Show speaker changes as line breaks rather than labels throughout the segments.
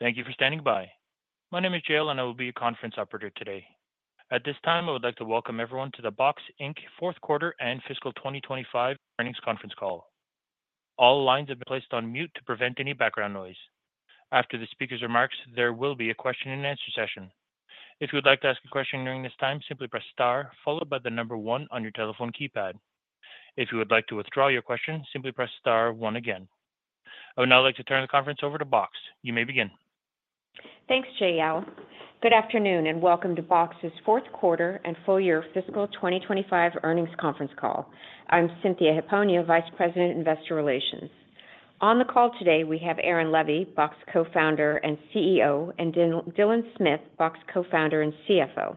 Thank you for standing by. My name is Jale, and I will be your conference operator today. At this time, I would like to welcome everyone to the Box, Inc. Fourth Quarter and Fiscal 2025 Earnings Conference Call. All lines have been placed on mute to prevent any background noise. After the speaker's remarks, there will be a question-and-answer session. If you would like to ask a question during this time, simply press star, followed by the number one on your telephone keypad. If you would like to withdraw your question, simply press star one again. I would now like to turn the conference over to Box. You may begin.
Thanks, Jale. Good afternoon, and welcome to Box's Fourth Quarter and Full-year Fiscal 2025 Earnings Conference Call. I'm Cynthia Hiponia, Vice President, Investor Relations. On the call today, we have Aaron Levie, Box Co-founder and CEO, and Dylan Smith, Box Co-founder and CFO.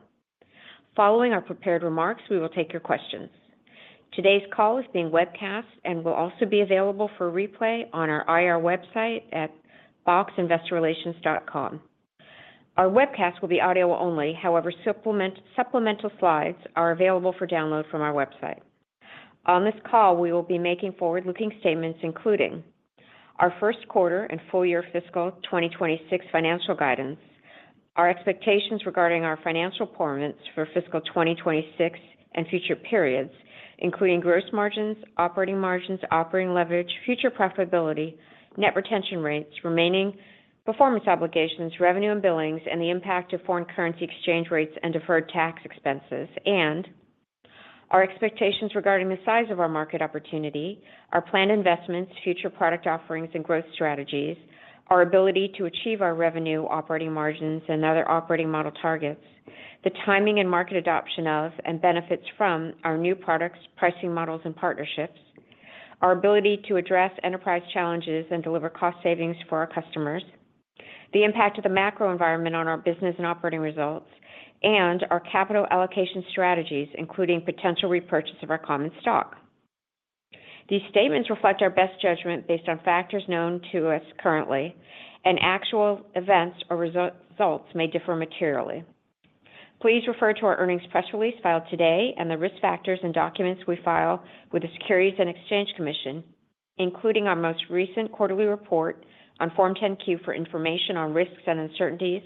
Following our prepared remarks, we will take your questions. Today's call is being webcast and will also be available for replay on our IR website at boxinvestorrelations.com. Our webcast will be audio only. However, supplemental slides are available for download from our website. On this call, we will be making forward-looking statements, including our first quarter and full-year Fiscal 2026 financial guidance, our expectations regarding our financial performance for Fiscal 2026 and future periods, including gross margins, operating margins, operating leverage, future profitability, net retention rates, remaining performance obligations, revenue and billings, and the impact of foreign currency exchange rates and deferred tax expenses, and our expectations regarding the size of our market opportunity, our planned investments, future product offerings, and growth strategies, our ability to achieve our revenue, operating margins, and other operating model targets, the timing and market adoption of and benefits from our new products, pricing models, and partnerships, our ability to address enterprise challenges and deliver cost savings for our customers, the impact of the macro environment on our business and operating results, and our capital allocation strategies, including potential repurchase of our common stock. These statements reflect our best judgment based on factors known to us currently, and actual events or results may differ materially. Please refer to our earnings press release filed today and the risk factors and documents we file with the Securities and Exchange Commission, including our most recent quarterly report on Form 10-Q for information on risks and uncertainties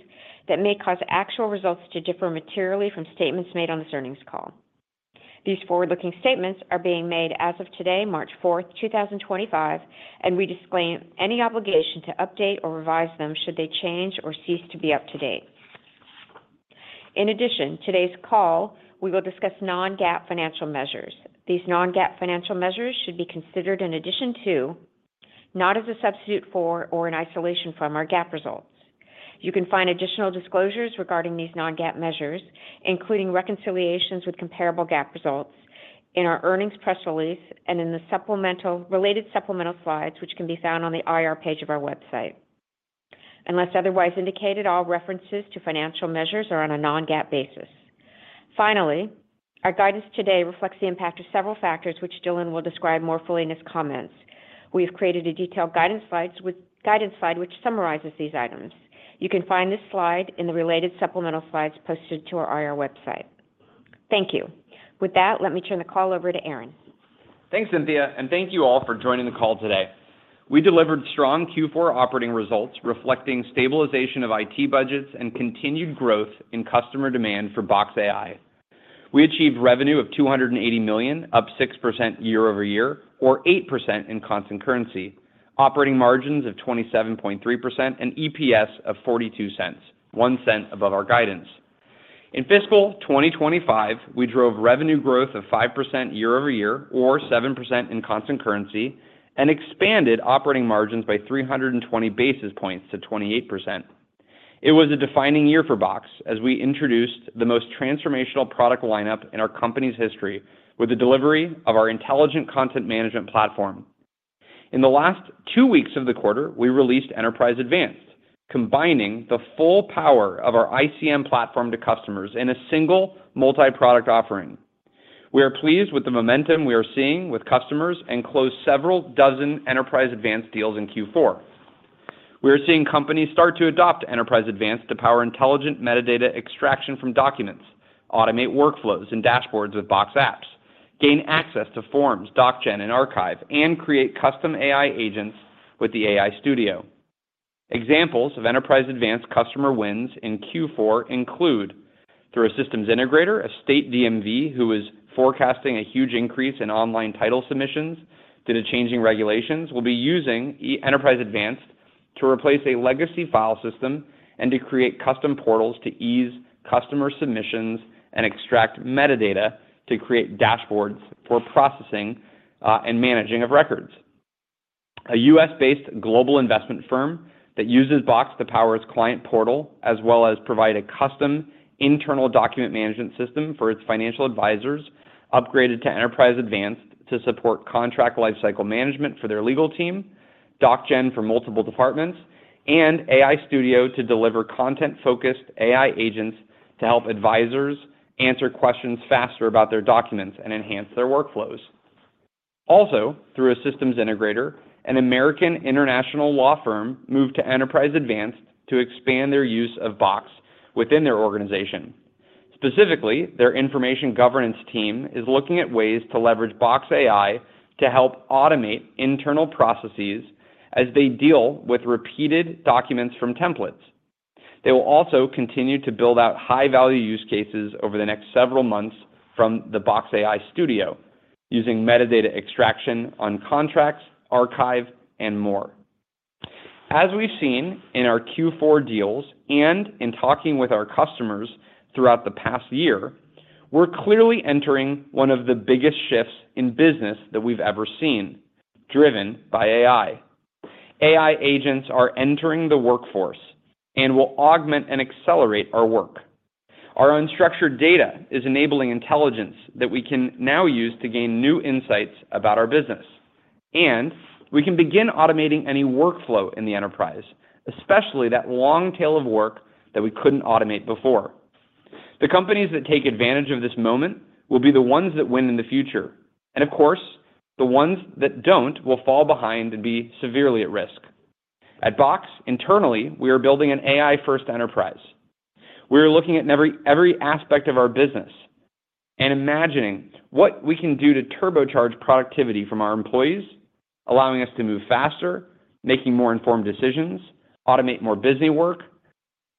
that may cause actual results to differ materially from statements made on this earnings call. These forward-looking statements are being made as of today, March 4th, 2025, and we disclaim any obligation to update or revise them should they change or cease to be up to date. In addition, today's call, we will discuss non-GAAP financial measures. These non-GAAP financial measures should be considered in addition to, not as a substitute for, or in isolation from our GAAP results. You can find additional disclosures regarding these non-GAAP measures, including reconciliations with comparable GAAP results in our earnings press release and in the related supplemental slides, which can be found on the IR page of our website. Unless otherwise indicated, all references to financial measures are on a non-GAAP basis. Finally, our guidance today reflects the impact of several factors, which Dylan will describe more fully in his comments. We have created a detailed guidance slide which summarizes these items. You can find this slide in the related supplemental slides posted to our IR website. Thank you. With that, let me turn the call over to Aaron.
Thanks, Cynthia, and thank you all for joining the call today. We delivered strong Q4 operating results reflecting stabilization of IT budgets and continued growth in customer demand for Box AI. We achieved revenue of $280 million, up 6% YoY, or 8% in constant currency, operating margins of 27.3%, and EPS of $0.42, $0.01 above our guidance. In Fiscal 2025, we drove revenue growth of 5% YoY, or 7% in constant currency, and expanded operating margins by 320 basis points to 28%. It was a defining year for Box as we introduced the most transformational product lineup in our company's history with the delivery of our intelligent content management platform. In the last two weeks of the quarter, we released Enterprise Advanced, combining the full power of our ICM platform to customers in a single multi-product offering. We are pleased with the momentum we are seeing with customers and closed several dozen Enterprise Advanced deals in Q4. We are seeing companies start to adopt Enterprise Advanced to power intelligent metadata extraction from documents, automate workflows and dashboards with Box Apps, gain access to Forms, DocGen, and Archive, and create custom AI agents with the AI Studio. Examples of Enterprise Advanced customer wins in Q4 include, through a systems integrator, a state DMV who is forecasting a huge increase in online title submissions due to changing regulations, will be using Enterprise Advanced to replace a legacy file system and to create custom portals to ease customer submissions and extract metadata to create dashboards for processing and managing of records. A U.S.-based global investment firm that uses Box to power it s client portal as well as provide a custom internal document management system for its financial advisors upgraded to Enterprise Advanced to support contract lifecycle management for their legal team, DocGen for multiple departments, and AI Studio to deliver content-focused AI agents to help advisors answer questions faster about their documents and enhance their workflows. Also, through a systems integrator, an American international law firm moved to Enterprise Advanced to expand their use of Box within their organization. Specifically, their information governance team is looking at ways to leverage Box AI to help automate internal processes as they deal with repeated documents from templates. They will also continue to build out high-value use cases over the next several months from the Box AI Studio using metadata extraction on contracts, archive, and more. As we've seen in our Q4 deals and in talking with our customers throughout the past year, we're clearly entering one of the biggest shifts in business that we've ever seen, driven by AI. AI agents are entering the workforce and will augment and accelerate our work. Our unstructured data is enabling intelligence that we can now use to gain new insights about our business. And we can begin automating any workflow in the enterprise, especially that long tail of work that we couldn't automate before. The companies that take advantage of this moment will be the ones that win in the future. And of course, the ones that don't will fall behind and be severely at risk. At Box, internally, we are building an AI-first enterprise. We are looking at every aspect of our business and imagining what we can do to turbocharge productivity from our employees, allowing us to move faster, making more informed decisions, automate more busy work,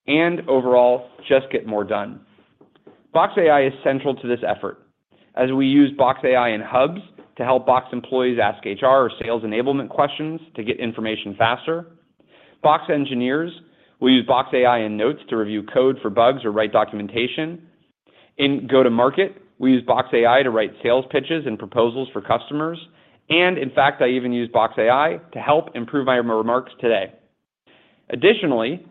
and overall, just get more done. Box AI is central to this effort as we use Box AI and Hubs to help Box employees ask HR or sales enablement questions to get information faster. Box engineers, we use Box AI and Notes to review code for bugs or write documentation. In go-to-market, we use Box AI to write sales pitches and proposals for customers, and in fact, I even use Box AI to help improve my remarks today. Additionally,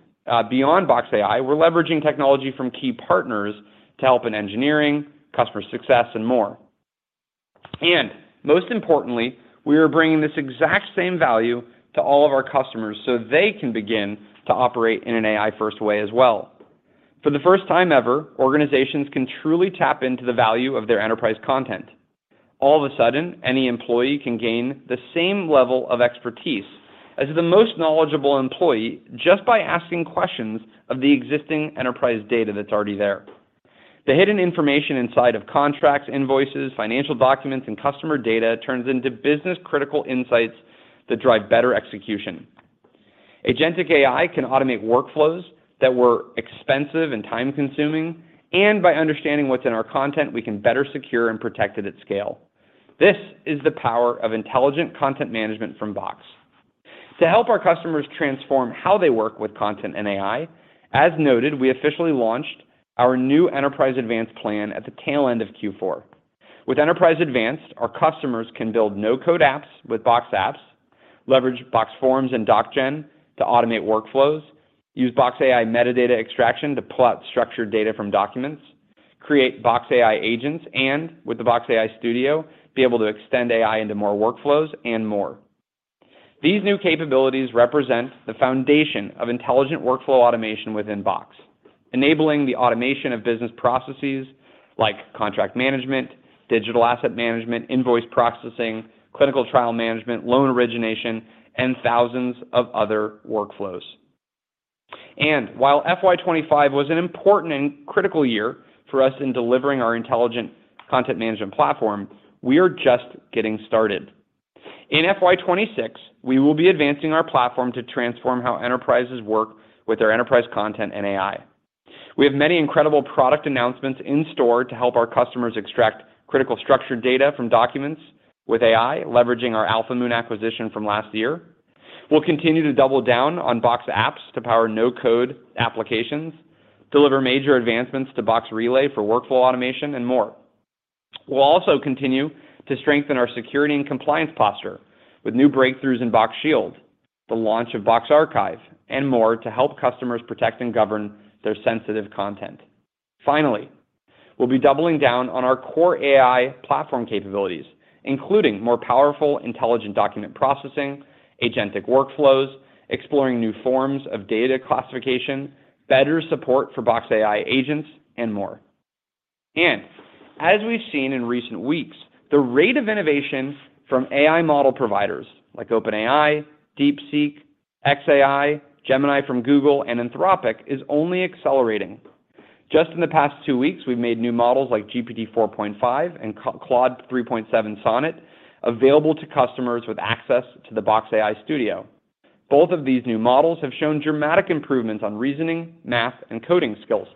beyond Box AI, we're leveraging technology from key partners to help in engineering, customer success, and more. And most importantly, we are bringing this exact same value to all of our customers so they can begin to operate in an AI-first way as well. For the first time ever, organizations can truly tap into the value of their enterprise content. All of a sudden, any employee can gain the same level of expertise as the most knowledgeable employee just by asking questions of the existing enterprise data that's already there. The hidden information inside of contracts, invoices, financial documents, and customer data turns into business-critical insights that drive better execution. Agentic AI can automate workflows that were expensive and time-consuming. And by understanding what's in our content, we can better secure and protect it at scale. This is the power of intelligent content management from Box. To help our customers transform how they work with content and AI, as noted, we officially launched our new Enterprise Advanced plan at the tail end of Q4. With Enterprise Advanced, our customers can build no-code apps with Box Apps, leverage Box Forms and DocGen to automate workflows, use Box AI metadata extraction to pull out structured data from documents, create Box AI agents, and with the Box AI Studio, be able to extend AI into more workflows and more. These new capabilities represent the foundation of intelligent workflow automation within Box, enabling the automation of business processes like contract management, digital asset management, invoice processing, clinical trial management, loan origination, and thousands of other workflows. While FY 2025 was an important and critical year for us in delivering our intelligent content management platform, we are just getting started. In FY 2026, we will be advancing our platform to transform how enterprises work with our enterprise content and AI. We have many incredible product announcements in store to help our customers extract critical structured data from documents with AI, leveraging our Alphamoon acquisition from last year. We'll continue to double down on Box Apps to power no-code applications, deliver major advancements to Box Relay for workflow automation, and more. We'll also continue to strengthen our security and compliance posture with new breakthroughs in Box Shield, the launch of Box Archive, and more to help customers protect and govern their sensitive content. Finally, we'll be doubling down on our core AI platform capabilities, including more powerful intelligent document processing, agentic workflows, exploring new forms of data classification, better support for Box AI agents, and more. As we've seen in recent weeks, the rate of innovation from AI model providers like OpenAI, DeepSeek, xAI, Gemini from Google, and Anthropic is only accelerating. Just in the past two weeks, we've made new models like GPT-4.5 and Claude 3.7 Sonnet available to customers with access to the Box AI Studio. Both of these new models have shown dramatic improvements on reasoning, math, and coding skills,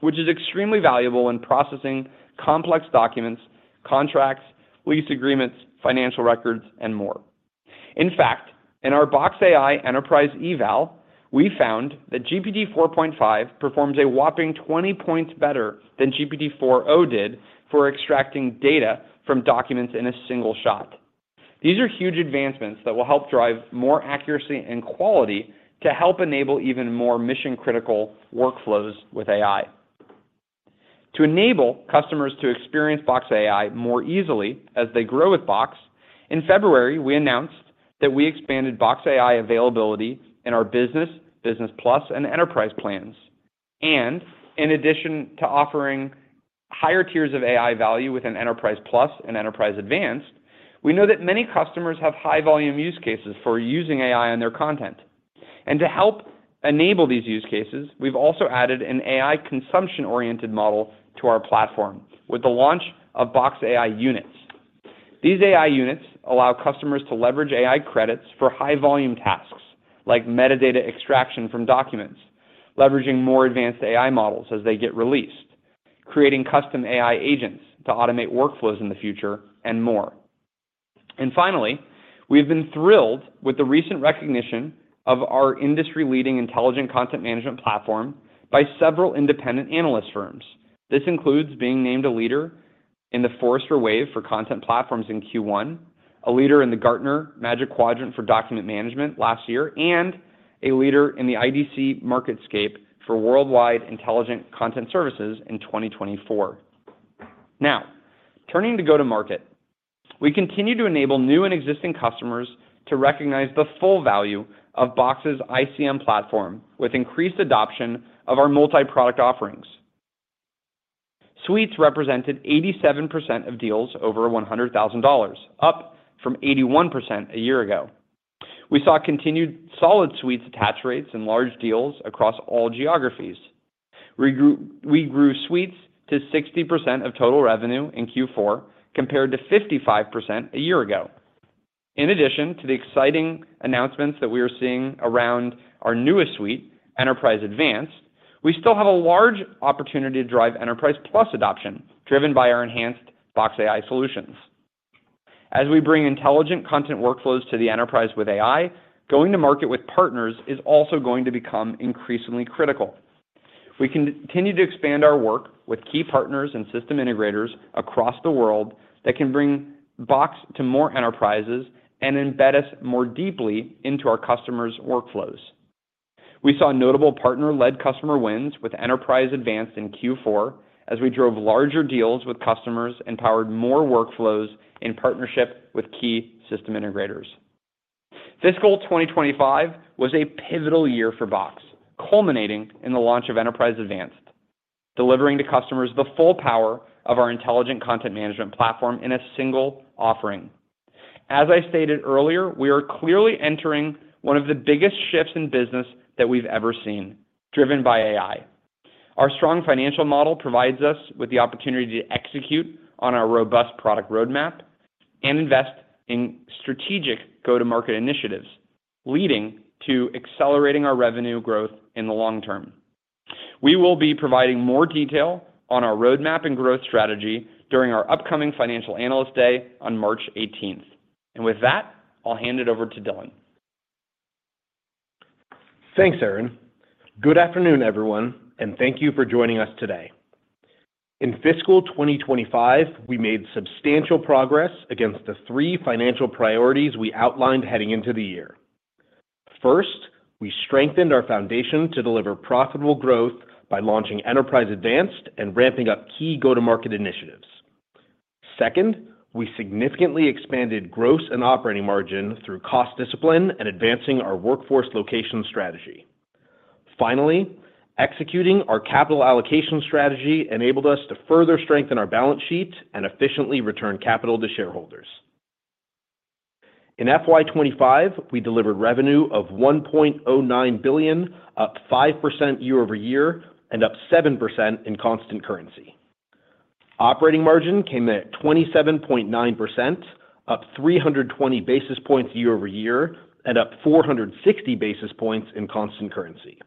which is extremely valuable in processing complex documents, contracts, lease agreements, financial records, and more. In fact, in our Box AI enterprise eval, we found that GPT-4.5 performs a whopping 20 points better than GPT-4.0 did for extracting data from documents in a single shot. These are huge advancements that will help drive more accuracy and quality to help enable even more mission-critical workflows with AI. To enable customers to experience Box AI more easily as they grow with Box, in February, we announced that we expanded Box AI availability in our Business, Business Plus, and Enterprise plans. In addition to offering higher tiers of AI value within Enterprise Plus and Enterprise Advanced, we know that many customers have high-volume use cases for using AI on their content. To help enable these use cases, we've also added an AI consumption-oriented model to our platform with the launch of Box AI Units. These AI units allow customers to leverage AI credits for high-volume tasks like metadata extraction from documents, leveraging more advanced AI models as they get released, creating custom AI agents to automate workflows in the future, and more. Finally, we've been thrilled with the recent recognition of our industry-leading intelligent content management platform by several independent analyst firms. This includes being named a leader in the Forrester Wave for Content Platforms in Q1, a leader in the Gartner Magic Quadrant for document management last year, and a leader in the IDC MarketScape for Worldwide Intelligent Content Services in 2024. Now, turning to go-to-market, we continue to enable new and existing customers to recognize the full value of Box's ICM platform with increased adoption of our multi-product offerings. Suites represented 87% of deals over $100,000, up from 81% a year ago. We saw continued solid Suites attach rates and large deals across all geographies. We grew Suites to 60% of total revenue in Q4 compared to 55% a year ago. In addition to the exciting announcements that we are seeing around our newest Suite, Enterprise Advanced, we still have a large opportunity to drive Enterprise Plus adoption driven by our enhanced Box AI solutions. As we bring intelligent content workflows to the enterprise with AI, going to market with partners is also going to become increasingly critical. We continue to expand our work with key partners and system integrators across the world that can bring Box to more enterprises and embed us more deeply into our customers' workflows. We saw notable partner-led customer wins with Enterprise Advanced in Q4 as we drove larger deals with customers and powered more workflows in partnership with key system integrators. Fiscal 2025 was a pivotal year for Box, culminating in the launch of Enterprise Advanced, delivering to customers the full power of our intelligent content management platform in a single offering. As I stated earlier, we are clearly entering one of the biggest shifts in business that we've ever seen, driven by AI. Our strong financial model provides us with the opportunity to execute on our robust product roadmap and invest in strategic go-to-market initiatives, leading to accelerating our revenue growth in the long term. We will be providing more detail on our roadmap and growth strategy during our upcoming Financial Analyst Day on March 18th. With that, I'll hand it over to Dylan
Thanks, Aaron. Good afternoon, everyone, and thank you for joining us today. In Fiscal 2025, we made substantial progress against the three financial priorities we outlined heading into the year. First, we strengthened our foundation to deliver profitable growth by launching Enterprise Advanced and ramping up key go-to-market initiatives. Second, we significantly expanded gross and operating margin through cost discipline and advancing our workforce location strategy. Finally, executing our capital allocation strategy enabled us to further strengthen our balance sheet and efficiently return capital to shareholders. In FY 2025, we delivered revenue of $1.09 billion, up 5% YoY and up 7% in constant currency. Operating margin came at 27.9%, up 320 basis points year-over-year, and up 460 basis points in constant currency.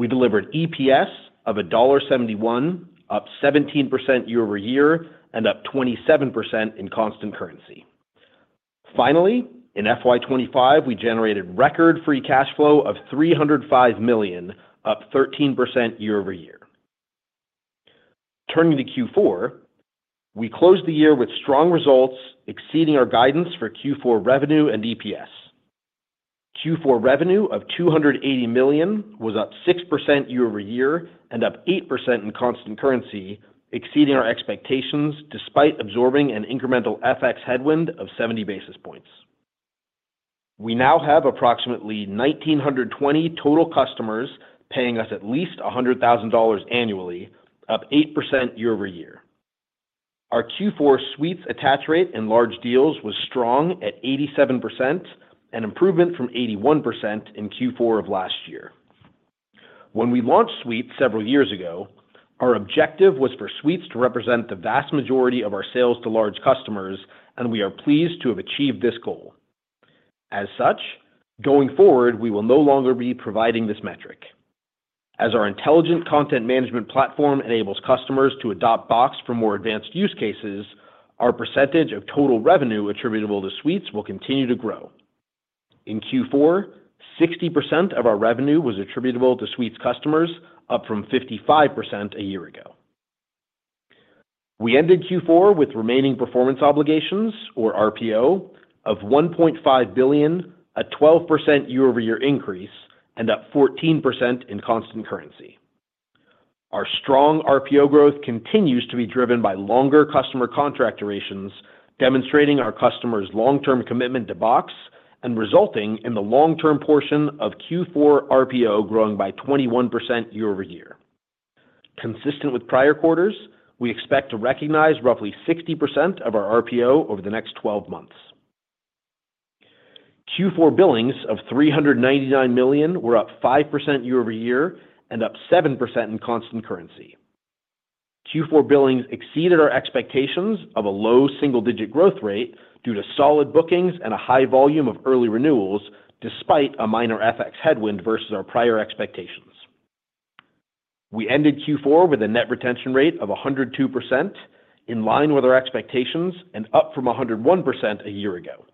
We delivered EPS of $1.71, up 17% YoY, and up 27% in constant currency. Finally, in FY 2025, we generated record free cash flow of $305 million, up 13% YoY. Turning to Q4, we closed the year with strong results, exceeding our guidance for Q4 revenue and EPS. Q4 revenue of $280 million was up 6% YoY and up 8% in constant currency, exceeding our expectations despite absorbing an incremental FX headwind of 70 basis points. We now have approximately 1,920 total customers paying us at least $100,000 annually, up 8% YoY. Our Q4 Suites attach rate in large deals was strong at 87%, an improvement from 81% in Q4 of last year. When we launched Suites several years ago, our objective was for Suites to represent the vast majority of our sales to large customers, and we are pleased to have achieved this goal. As such, going forward, we will no longer be providing this metric. As our intelligent content management platform enables customers to adopt Box for more advanced use cases, our percentage of total revenue attributable to Suites will continue to grow. In Q4, 60% of our revenue was attributable to Suites customers, up from 55% a year ago. We ended Q4 with remaining performance obligations, or RPO, of $1.5 billion, a 12% YoY increase, and up 14% in constant currency. Our strong RPO growth continues to be driven by longer customer contract durations, demonstrating our customers' long-term commitment to Box and resulting in the long-term portion of Q4 RPO growing by 21% YoY. Consistent with prior quarters, we expect to recognize roughly 60% of our RPO over the next 12 months. Q4 billings of $399 million were up 5% YoY and up 7% in constant currency. Q4 billings exceeded our expectations of a low single-digit growth rate due to solid bookings and a high volume of early renewals, despite a minor FX headwind versus our prior expectations. We ended Q4 with a net retention rate of 102%, in line with our expectations and up from 101% a year ago.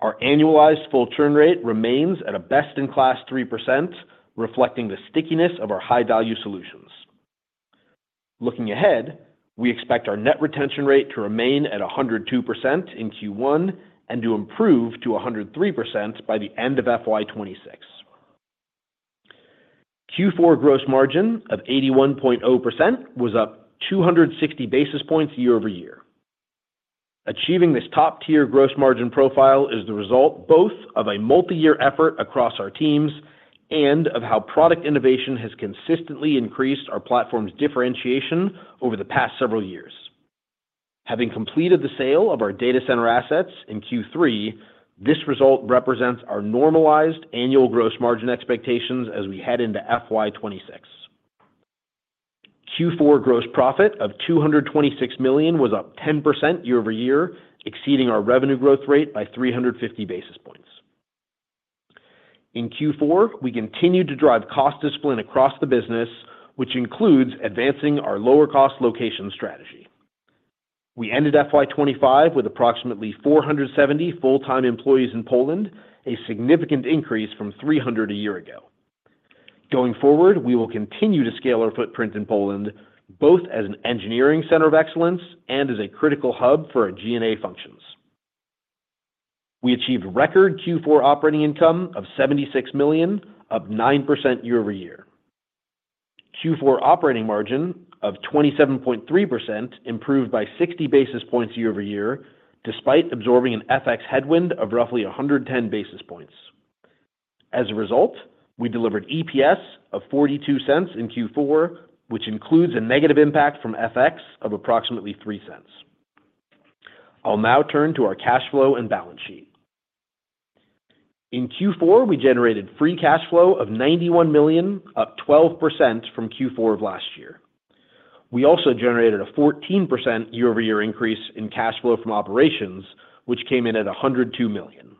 Our annualized full churn rate remains at a best-in-class 3%, reflecting the stickiness of our high-value solutions. Looking ahead, we expect our net retention rate to remain at 102% in Q1 and to improve to 103% by the end of FY 2026. Q4 gross margin of 81.0% was up 260 basis points year-over-year. Achieving this top-tier gross margin profile is the result both of a multi-year effort across our teams and of how product innovation has consistently increased our platform's differentiation over the past several years. Having completed the sale of our data center assets in Q3, this result represents our normalized annual gross margin expectations as we head into FY 2026. Q4 gross profit of $226 million was up 10% YoY, exceeding our revenue growth rate by 350 basis points. In Q4, we continued to drive cost discipline across the business, which includes advancing our lower-cost location strategy. We ended FY 2025 with approximately 470 full-time employees in Poland, a significant increase from 300 a year ago. Going forward, we will continue to scale our footprint in Poland, both as an engineering center of excellence and as a critical hub for our G&A functions. We achieved record Q4 operating income of $76 million, up 9% YoY. Q4 operating margin of 27.3% improved by 60 basis points year-over-year, despite absorbing an FX headwind of roughly 110 basis points. As a result, we delivered EPS of $0.42 in Q4, which includes a negative impact from FX of approximately $0.03. I'll now turn to our cash flow and balance sheet. In Q4, we generated free cash flow of $91 million, up 12% from Q4 of last year. We also generated a 14% YoY increase in cash flow from operations, which came in at $102 million.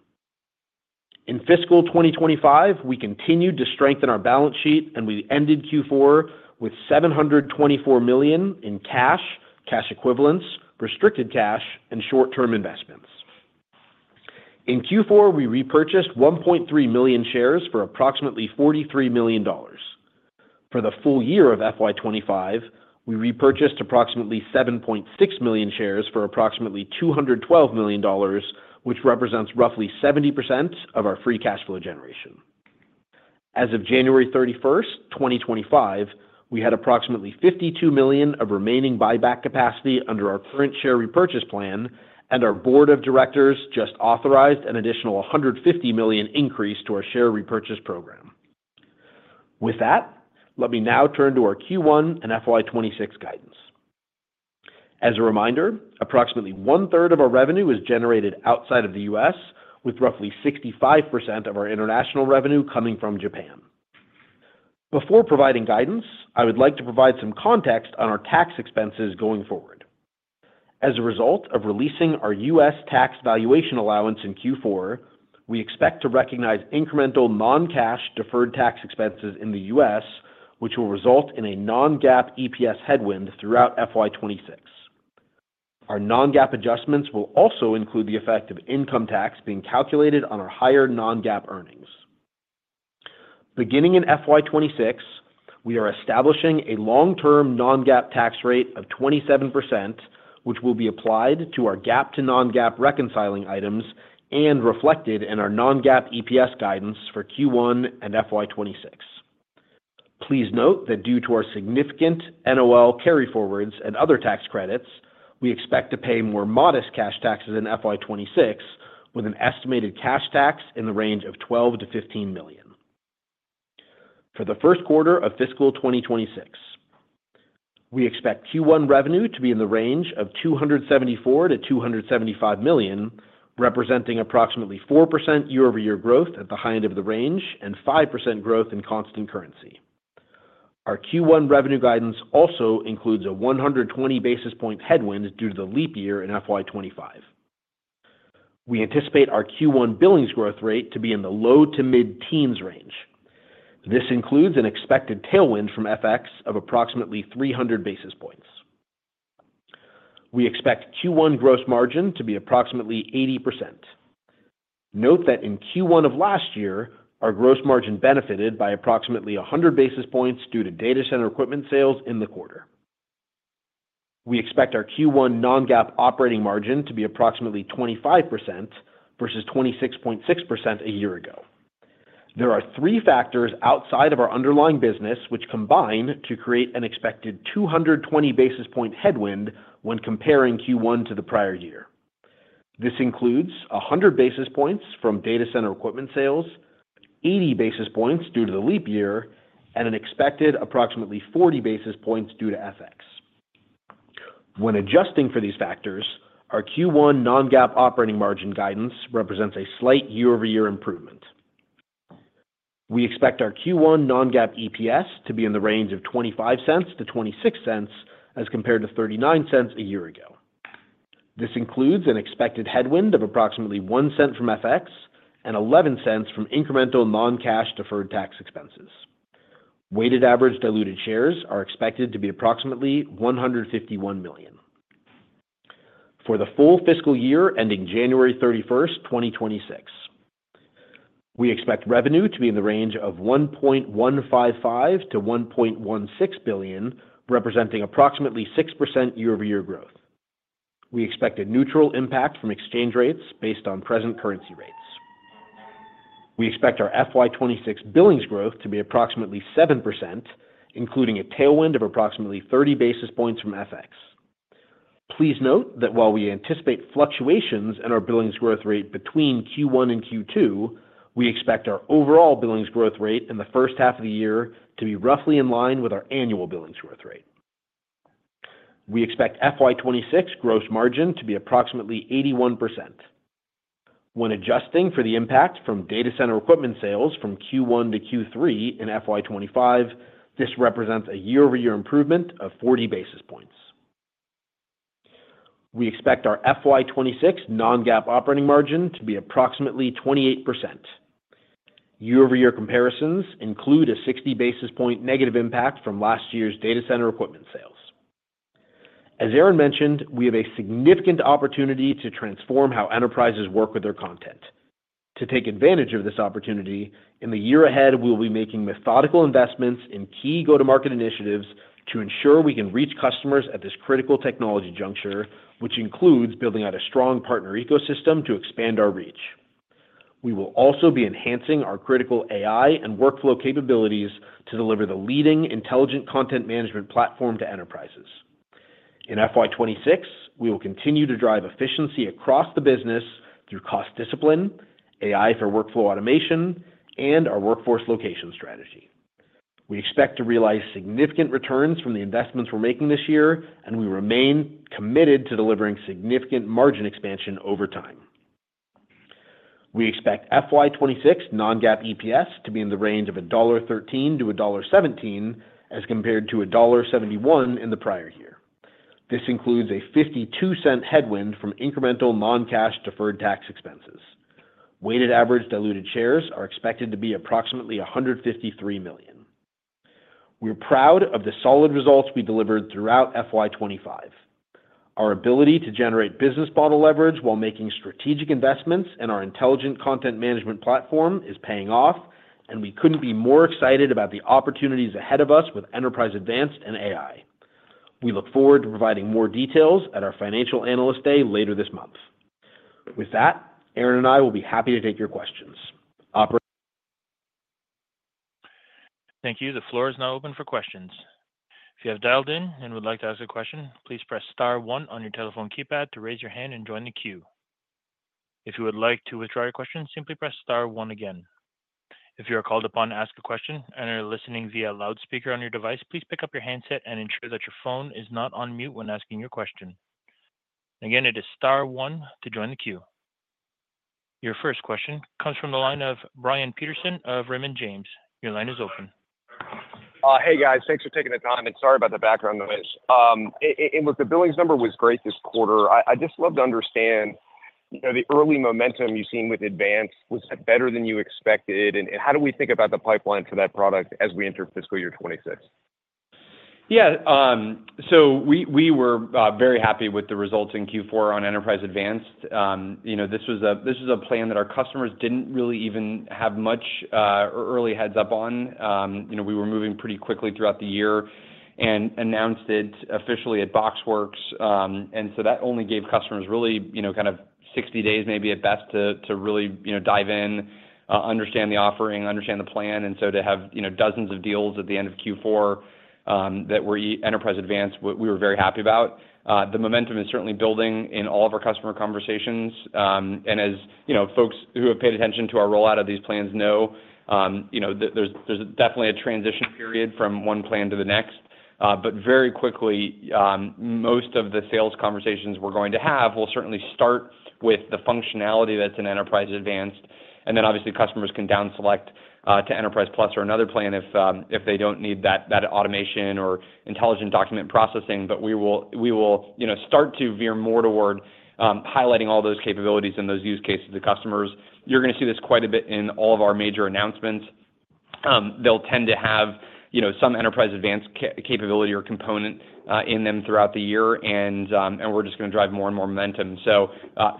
In Fiscal 2025, we continued to strengthen our balance sheet, and we ended Q4 with $724 million in cash, cash equivalents, restricted cash, and short-term investments. In Q4, we repurchased 1.3 million shares for approximately $43 million. For the full year of FY 2025, we repurchased approximately 7.6 million shares for approximately $212 million, which represents roughly 70% of our free cash flow generation. As of January 31st, 2025, we had approximately $52 million of remaining buyback capacity under our current share repurchase plan, and our board of directors just authorized an additional $150 million increase to our share repurchase program. With that, let me now turn to our Q1 and FY 2026 guidance. As a reminder, approximately one-third of our revenue is generated outside of the U.S., with roughly 65% of our international revenue coming from Japan. Before providing guidance, I would like to provide some context on our tax expenses going forward. As a result of releasing our U.S. tax valuation allowance in Q4, we expect to recognize incremental non-cash deferred tax expenses in the U.S., which will result in a non-GAAP EPS headwind throughout FY 2026. Our non-GAAP adjustments will also include the effect of income tax being calculated on our higher non-GAAP earnings. Beginning in FY 2026, we are establishing a long-term non-GAAP tax rate of 27%, which will be applied to our GAAP-to-non-GAAP reconciling items and reflected in our non-GAAP EPS guidance for Q1 and FY 2026. Please note that due to our significant NOL carryforwards and other tax credits, we expect to pay more modest cash taxes in FY 2026, with an estimated cash tax in the range of $12 million-$15 million. For the Q1 of Fiscal 2026, we expect Q1 revenue to be in the range of $274 million-$275 million, representing approximately 4% YoY growth at the high end of the range and 5% growth in constant currency. Our Q1 revenue guidance also includes a 120 basis points headwind due to the leap year in FY 2025. We anticipate our Q1 billings growth rate to be in the low to mid-teens range. This includes an expected tailwind from FX of approximately 300 basis points. We expect Q1 gross margin to be approximately 80%. Note that in Q1 of last year, our gross margin benefited by approximately 100 basis points due to data center equipment sales in the quarter. We expect our Q1 non-GAAP operating margin to be approximately 25% versus 26.6% a year ago. There are three factors outside of our underlying business which combine to create an expected 220 basis point headwind when comparing Q1 to the prior year. This includes 100 basis points from data center equipment sales, 80 basis points due to the leap year, and an expected approximately 40 basis points due to FX. When adjusting for these factors, our Q1 non-GAAP operating margin guidance represents a slight year-over-year improvement. We expect our Q1 non-GAAP EPS to be in the range of $0.25-$0.26 as compared to $0.39 a year ago. This includes an expected headwind of approximately $0.01 from FX and $0.11 from incremental non-cash deferred tax expenses. Weighted average diluted shares are expected to be approximately 151 million. For the full fiscal year ending January 31st, 2026, we expect revenue to be in the range of $1.155 billion-$1.16 billion, representing approximately 6% YoY growth. We expect a neutral impact from exchange rates based on present currency rates. We expect our FY 2026 billings growth to be approximately 7%, including a tailwind of approximately 30 basis points from FX. Please note that while we anticipate fluctuations in our billings growth rate between Q1 and Q2, we expect our overall billings growth rate in the first half of the year to be roughly in line with our annual billings growth rate. We expect FY 2026 gross margin to be approximately 81%. When adjusting for the impact from data center equipment sales from Q1 to Q3 in FY 2025, this represents a year-over-year improvement of 40 basis points. We expect our FY 2026 non-GAAP operating margin to be approximately 28%. Year-over-year comparisons include a 60 basis point negative impact from last year's data center equipment sales. As Aaron mentioned, we have a significant opportunity to transform how enterprises work with their content. To take advantage of this opportunity, in the year ahead, we will be making methodical investments in key go-to-market initiatives to ensure we can reach customers at this critical technology juncture, which includes building out a strong partner ecosystem to expand our reach. We will also be enhancing our critical AI and workflow capabilities to deliver the leading intelligent content management platform to enterprises. In FY 2026, we will continue to drive efficiency across the business through cost discipline, AI for workflow automation, and our workforce location strategy. We expect to realize significant returns from the investments we're making this year, and we remain committed to delivering significant margin expansion over time. We expect FY 2026 non-GAAP EPS to be in the range of $1.13-$1.17 as compared to $1.71 in the prior year. This includes a $0.52 headwind from incremental non-cash deferred tax expenses. Weighted average diluted shares are expected to be approximately 153 million. We're proud of the solid results we delivered throughout FY 2025. Our ability to generate business model leverage while making strategic investments in our intelligent content management platform is paying off, and we couldn't be more excited about the opportunities ahead of us with Enterprise Advanced and AI. We look forward to providing more details at our Financial Analyst Day later this month. With that, Aaron and I will be happy to take your questions.
Thank you. The floor is now open for questions. If you have dialed in and would like to ask a question, please press star one on your telephone keypad to raise your hand and join the queue. If you would like to withdraw your question, simply press star one again. If you are called upon to ask a question and are listening via a loudspeaker on your device, please pick up your handset and ensure that your phone is not on mute when asking your question. Again, it is star one to join the queue. Your first question comes from the line of Brian Peterson of Raymond James. Your line is open.
Hey, guys. Thanks for taking the time, and sorry about the background noise. The billings number was great this quarter. I just love to understand the early momentum you've seen with Enterprise Advanced. Was that better than you expected? And how do we think about the pipeline for that product as we enter fiscal year 2026?
Yeah. So we were very happy with the results in Q4 on Enterprise Advanced. This was a plan that our customers didn't really even have much early heads-up on. We were moving pretty quickly throughout the year and announced it officially at BoxWorks, and so that only gave customers really kind of 60 days, maybe at best, to really dive in, understand the offering, understand the plan, and so to have dozens of deals at the end of Q4 that were Enterprise Advanced, we were very happy about. The momentum is certainly building in all of our customer conversations, and as folks who have paid attention to our rollout of these plans know, there's definitely a transition period from one plan to the next. But very quickly, most of the sales conversations we're going to have will certainly start with the functionality that's in Enterprise Advanced, and then, obviously, customers can down select to Enterprise Plus or another plan if they don't need that automation or intelligent document processing. But we will start to veer more toward highlighting all those capabilities and those use cases to customers. You're going to see this quite a bit in all of our major announcements. They'll tend to have some Enterprise Advanced capability or component in them throughout the year, and we're just going to drive more and more momentum. So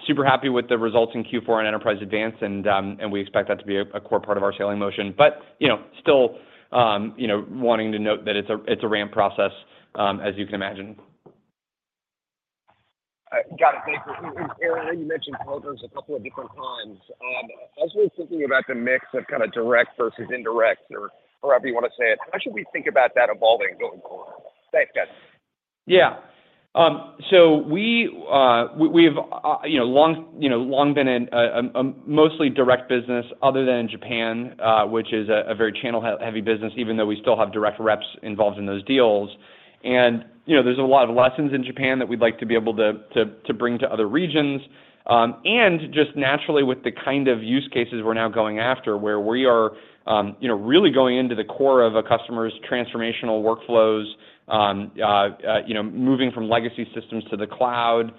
super happy with the results in Q4 on Enterprise Advanced, and we expect that to be a core part of our selling motion. But still wanting to note that it's a ramp process, as you can imagine.
Got it. Thank you. Aaron, you mentioned go-to a couple of different times. As we're thinking about the mix of kind of direct versus indirect, or however you want to say it, how should we think about that evolving going forward? Thanks, guys.
Yeah. We have long been a mostly direct business other than in Japan, which is a very channel-heavy business, even though we still have direct reps involved in those deals. There's a lot of lessons in Japan that we'd like to be able to bring to other regions. Just naturally, with the kind of use cases we're now going after, where we are really going into the core of a customer's transformational workflows, moving from legacy systems to the cloud,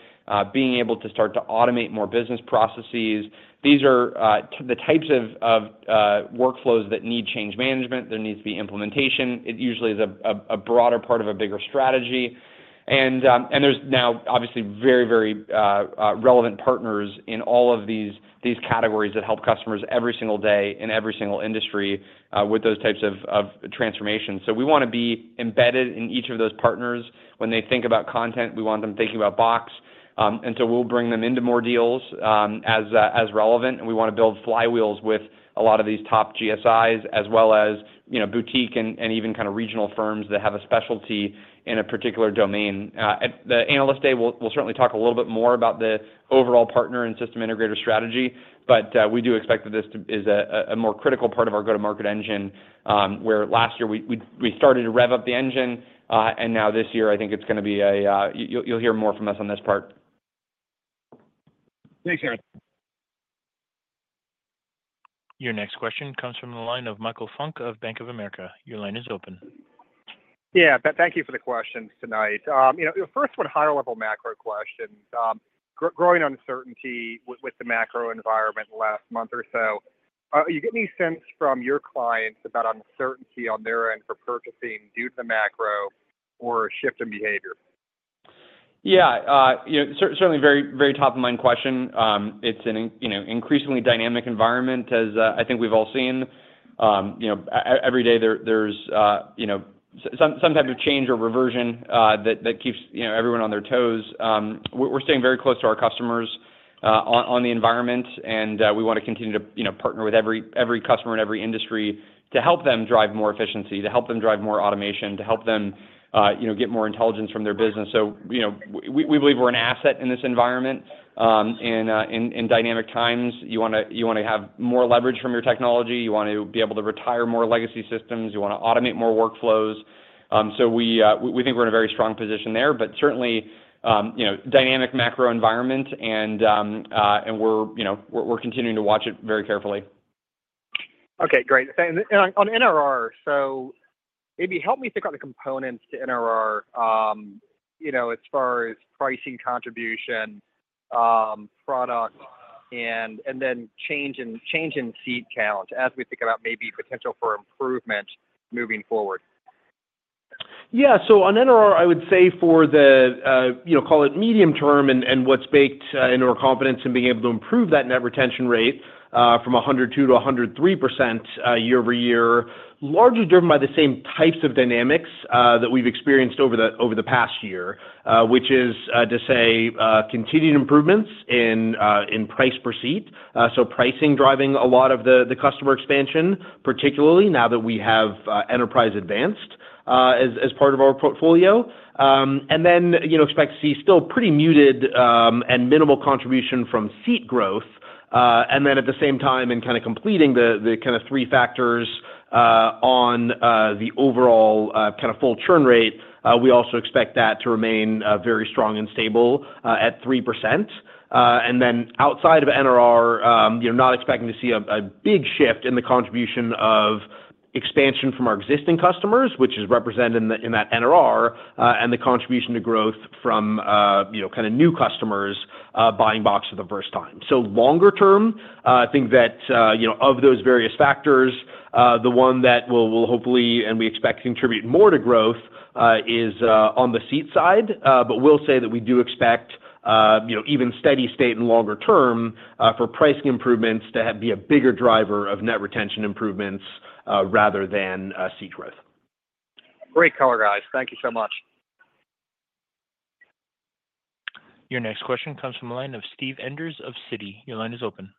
being able to start to automate more business processes. These are the types of workflows that need change management. There needs to be implementation. It usually is a broader part of a bigger strategy. There's now, obviously, very, very relevant partners in all of these categories that help customers every single day in every single industry with those types of transformations. So we want to be embedded in each of those partners. When they think about content, we want them thinking about Box. And so we'll bring them into more deals as relevant. And we want to build flywheels with a lot of these top GSIs, as well as boutique and even kind of regional firms that have a specialty in a particular domain. At the Analyst Day, we'll certainly talk a little bit more about the overall partner and system integrator strategy. But we do expect that this is a more critical part of our go-to-market engine, where last year we started to rev up the engine. And now this year, I think it's going to be a—you'll hear more from us on this part.
Thanks, Aaron.
Your next question comes from the line of Michael Funk of Bank of America. Your line is open. Yeah.
Thank you for the questions tonight. First, one higher-level macro question. Growing uncertainty with the macro environment last month or so. Are you getting any sense from your clients about uncertainty on their end for purchasing due to the macro or a shift in behavior?
Yeah. Certainly, very top-of-mind question. It's an increasingly dynamic environment, as I think we've all seen. Every day, there's some type of change or reversion that keeps everyone on their toes. We're staying very close to our customers on the environment, and we want to continue to partner with every customer in every industry to help them drive more efficiency, to help them drive more automation, to help them get more intelligence from their business. So we believe we're an asset in this environment. In dynamic times, you want to have more leverage from your technology. You want to be able to retire more legacy systems. You want to automate more workflows. So, we think we're in a very strong position there. But certainly, the dynamic macro environment, and we're continuing to watch it very carefully.
Okay. Great. And on NRR, so maybe help me think on the components to NRR as far as pricing contribution, product, and then change in seat count as we think about maybe potential for improvement moving forward.
Yeah. So on NRR, I would say for the, call it medium-term and what's baked in our confidence in being able to improve that net retention rate from 102% to 103% YoY, largely driven by the same types of dynamics that we've experienced over the past year, which is to say continued improvements in price per seat. So, pricing driving a lot of the customer expansion, particularly now that we have Enterprise Advanced as part of our portfolio. And then expect to see still pretty muted and minimal contribution from seat growth. And then at the same time, in kind of completing the kind of three factors on the overall kind of full churn rate, we also expect that to remain very strong and stable at 3%. And then outside of NRR, not expecting to see a big shift in the contribution of expansion from our existing customers, which is represented in that NRR, and the contribution to growth from kind of new customers buying Box for the first time. So longer-term, I think that of those various factors, the one that will hopefully, and we expect to contribute more to growth is on the seat side. But we'll say that we do expect even steady state and longer-term for pricing improvements to be a bigger driver of net retention improvements rather than seat growth.
Great color, guys. Thank you so much.
Your next question comes from the line of Steve Enders of Citi. Your line is open.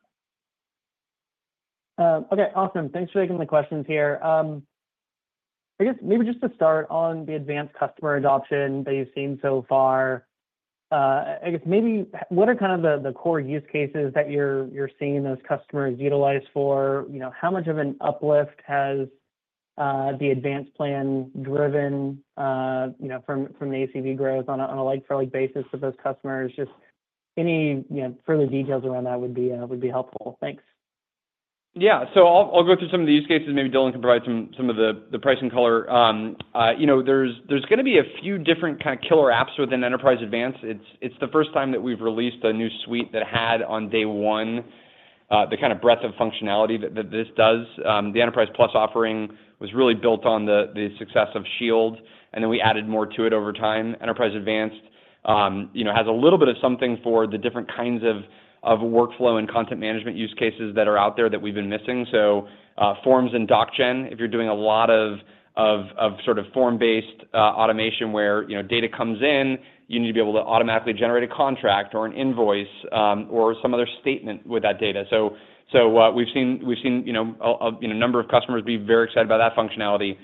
Okay. Awesome. Thanks for taking the questions here. I guess maybe just to start on the advanced customer adoption that you've seen so far, I guess maybe what are kind of the core use cases that you're seeing those customers utilize for? How much of an uplift has the advanced plan driven from the ACV growth on a like-for-like basis for those customers? Just any further details around that would be helpful. Thanks.
Yeah. So I'll go through some of the use cases. Maybe Dylan can provide some of the pricing color. There's going to be a few different kind of killer apps within Enterprise Advanced. It's the first time that we've released a new Suite that had on day one the kind of breadth of functionality that this does. The Enterprise Plus offering was really built on the success of Shield, and then we added more to it over time. Enterprise Advanced has a little bit of something for the different kinds of workflow and content management use cases that are out there that we've been missing, so Forms and DocGen, if you're doing a lot of sort of form-based automation where data comes in, you need to be able to automatically generate a contract or an invoice or some other statement with that data. So we've seen a number of customers be very excited about that functionality.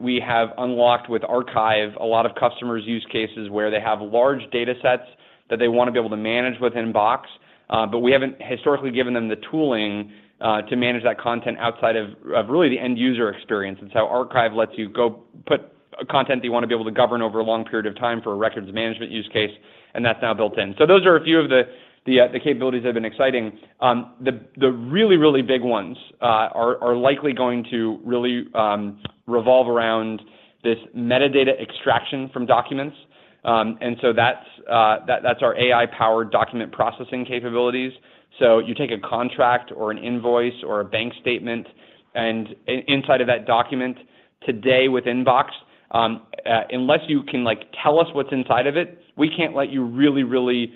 We have unlocked with Archive a lot of customers' use cases where they have large data sets that they want to be able to manage within Box. But we haven't historically given them the tooling to manage that content outside of really the end user experience. It's how Archive lets you go put content that you want to be able to govern over a long period of time for a records management use case, and that's now built in, so those are a few of the capabilities that have been exciting. The really, really big ones are likely going to really revolve around this metadata extraction from documents, and so that's our AI-powered document processing capabilities. So you take a contract or an invoice or a bank statement, and inside of that document today within Box, unless you can tell us what's inside of it, we can't let you really, really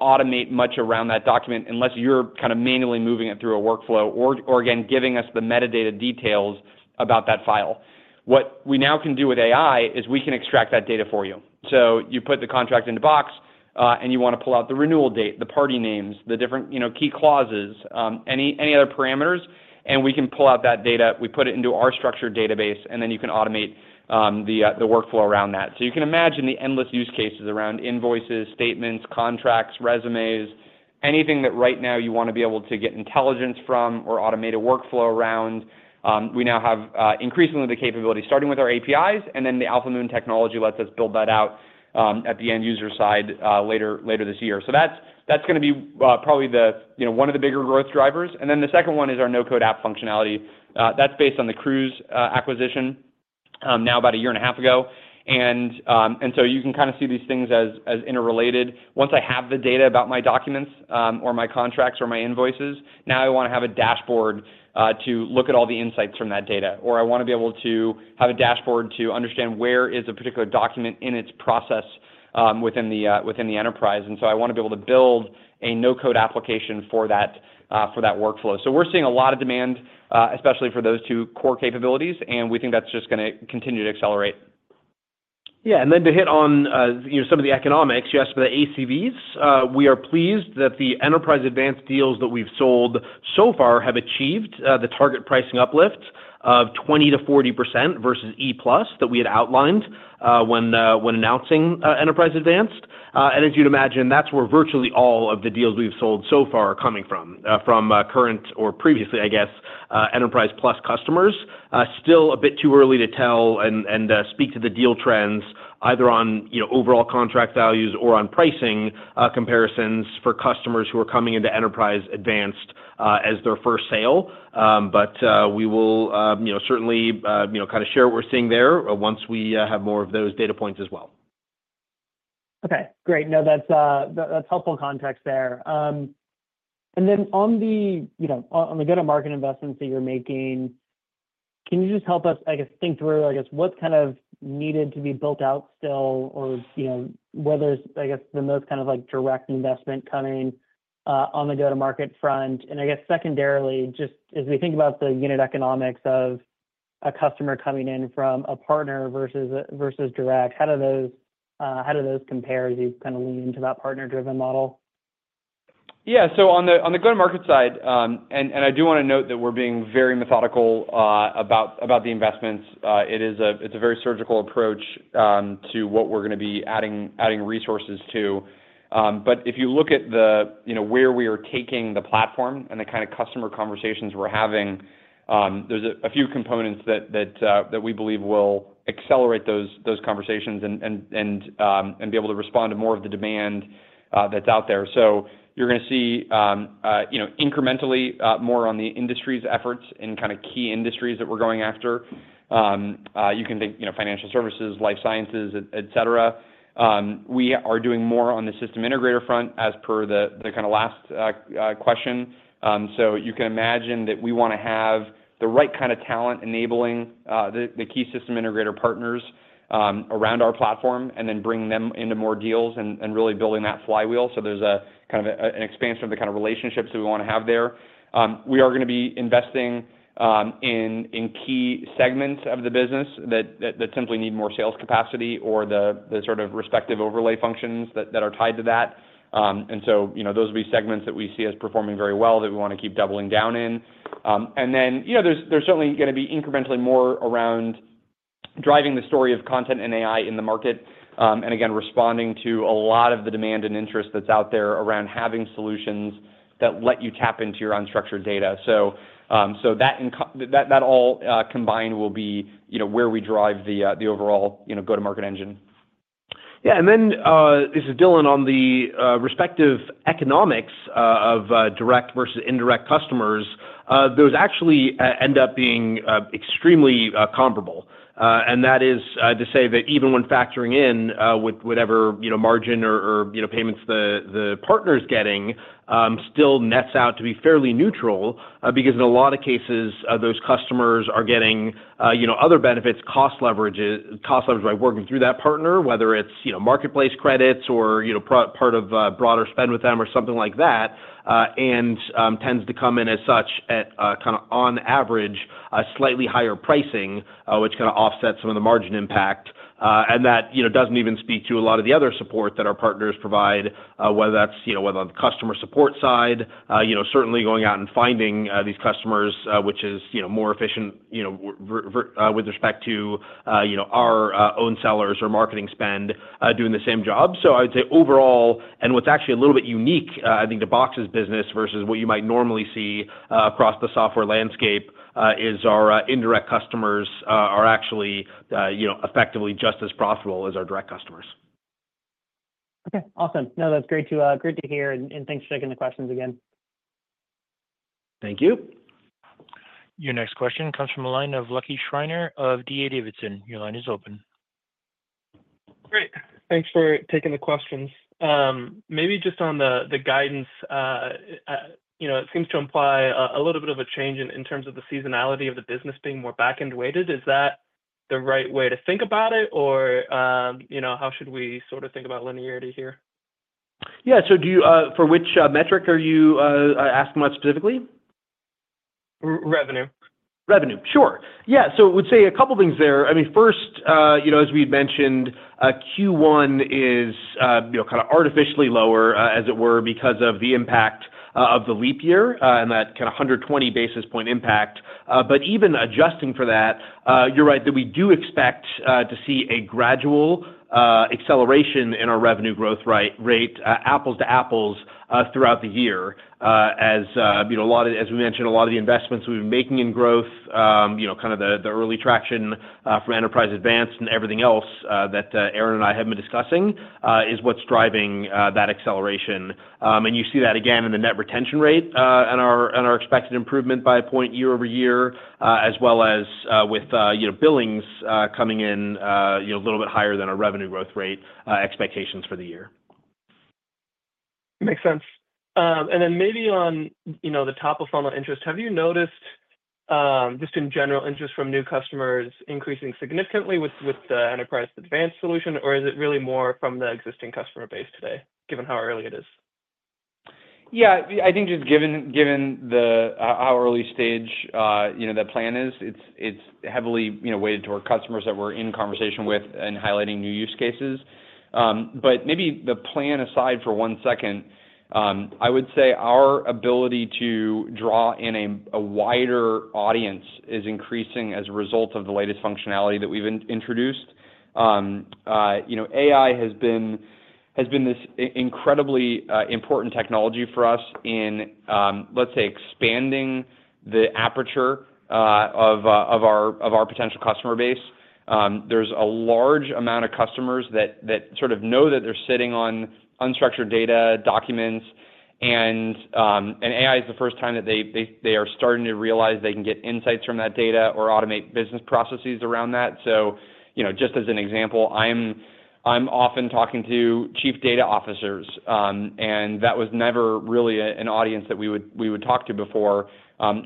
automate much around that document unless you're kind of manually moving it through a workflow or, again, giving us the metadata details about that file. What we now can do with AI is we can extract that data for you. So you put the contract into Box, and you want to pull out the renewal date, the party names, the different key clauses, any other parameters, and we can pull out that data. We put it into our structured database, and then you can automate the workflow around that. So you can imagine the endless use cases around invoices, statements, contracts, resumes, anything that right now you want to be able to get intelligence from or automate a workflow around. We now have increasingly the capability starting with our APIs, and then the Alphamoon technology lets us build that out at the end user side later this year. So that's going to be probably one of the bigger growth drivers. And then the second one is our no-code app functionality. That's based on the Crooze acquisition now about a year and a half ago. And so you can kind of see these things as interrelated. Once I have the data about my documents or my contracts or my invoices, now I want to have a dashboard to look at all the insights from that data. Or I want to be able to have a dashboard to understand where is a particular document in its process within the enterprise. And so I want to be able to build a no-code application for that workflow. So we're seeing a lot of demand, especially for those two core capabilities, and we think that's just going to continue to accelerate.
Yeah. And then to hit on some of the economics, you asked about the ACVs. We are pleased that the Enterprise Advanced deals that we've sold so far have achieved the target pricing uplift of 20%-40% versus Enterprise Plus that we had outlined when announcing Enterprise Advanced. And as you'd imagine, that's where virtually all of the deals we've sold so far are coming from, from current or previously, I guess, Enterprise Plus customers. Still a bit too early to tell and speak to the deal trends either on overall contract values or on pricing comparisons for customers who are coming into Enterprise Advanced as their first sale. But we will certainly kind of share what we're seeing there once we have more of those data points as well.
Okay. Great. No, that's helpful context there. And then on the go-to-market investments that you're making, can you just help us, I guess, think through, I guess, what's kind of needed to be built out still or whether it's, I guess, the most kind of direct investment coming on the go-to-market front? And I guess secondarily, just as we think about the unit economics of a customer coming in from a partner versus direct, how do those compare as you kind of lean into that partner-driven model?
Yeah, so on the go-to-market side, and I do want to note that we're being very methodical about the investments. It's a very surgical approach to what we're going to be adding resources to. But if you look at where we are taking the platform and the kind of customer conversations we're having, there's a few components that we believe will accelerate those conversations and be able to respond to more of the demand that's out there. So you're going to see incrementally more on the industry's efforts in kind of key industries that we're going after. You can think financial services, life sciences, etc. We are doing more on the system integrator front as per the kind of last question. So you can imagine that we want to have the right kind of talent enabling the key system integrator partners around our platform and then bringing them into more deals and really building that flywheel. So there's kind of an expansion of the kind of relationships that we want to have there. We are going to be investing in key segments of the business that simply need more sales capacity or the sort of respective overlay functions that are tied to that. And so those will be segments that we see as performing very well that we want to keep doubling down in. And then there's certainly going to be incrementally more around driving the story of content and AI in the market and, again, responding to a lot of the demand and interest that's out there around having solutions that let you tap into your unstructured data. So that all combined will be where we drive the overall go-to-market engine.
Yeah. And then this is Dylan on the respective economics of direct versus indirect customers. Those actually end up being extremely comparable. And that is to say that even when factoring in whatever margin or payments the partner's getting, still nets out to be fairly neutral because in a lot of cases, those customers are getting other benefits, cost leverage by working through that partner, whether it's marketplace credits or part of broader spend with them or something like that, and tends to come in as such at kind of on average a slightly higher pricing, which kind of offsets some of the margin impact. And that doesn't even speak to a lot of the other support that our partners provide, whether that's on the customer support side, certainly going out and finding these customers, which is more efficient with respect to our own sellers or marketing spend doing the same job. So, I would say overall, and what's actually a little bit unique, I think, to Box's business versus what you might normally see across the software landscape is our indirect customers are actually effectively just as profitable as our direct customers.
Okay. Awesome. No, that's great to hear. And thanks for taking the questions again.
Thank you. Your next question comes from the line of Lucky Schreiner of D.A. Davidson. Your line is open. Great. Thanks for taking the questions.
Maybe just on the guidance, it seems to imply a little bit of a change in terms of the seasonality of the business being more back-end weighted. Is that the right way to think about it, or how should we sort of think about linearity here?
Yeah. So for which metric are you asking about specifically?
Revenue.
Revenue. Sure. Yeah. So I would say a couple of things there. I mean, first, as we had mentioned, Q1 is kind of artificially lower, as it were, because of the impact of the leap year and that kind of 120 basis points impact. But even adjusting for that, you're right that we do expect to see a gradual acceleration in our revenue growth rate, apples to apples throughout the year, as we mentioned, a lot of the investments we've been making in growth, kind of the early traction from Enterprise Advanced and everything else that Aaron and I have been discussing, is what's driving that acceleration. And you see that again in the net retention rate and our expected improvement by a point year-over-year, as well as with billings coming in a little bit higher than our revenue growth rate expectations for the year.
Makes sense. And then maybe on the top of funnel interest, have you noticed just in general interest from new customers increasing significantly with the Enterprise Advanced solution, or is it really more from the existing customer base today, given how early it is?
Yeah. I think just given how early stage that plan is, it's heavily weighted toward customers that we're in conversation with and highlighting new use cases. But maybe the plan aside for one second, I would say our ability to draw in a wider audience is increasing as a result of the latest functionality that we've introduced. AI has been this incredibly important technology for us in, let's say, expanding the aperture of our potential customer base. There's a large amount of customers that sort of know that they're sitting on unstructured data, documents, and AI is the first time that they are starting to realize they can get insights from that data or automate business processes around that. So just as an example, I'm often talking to chief data officers, and that was never really an audience that we would talk to before.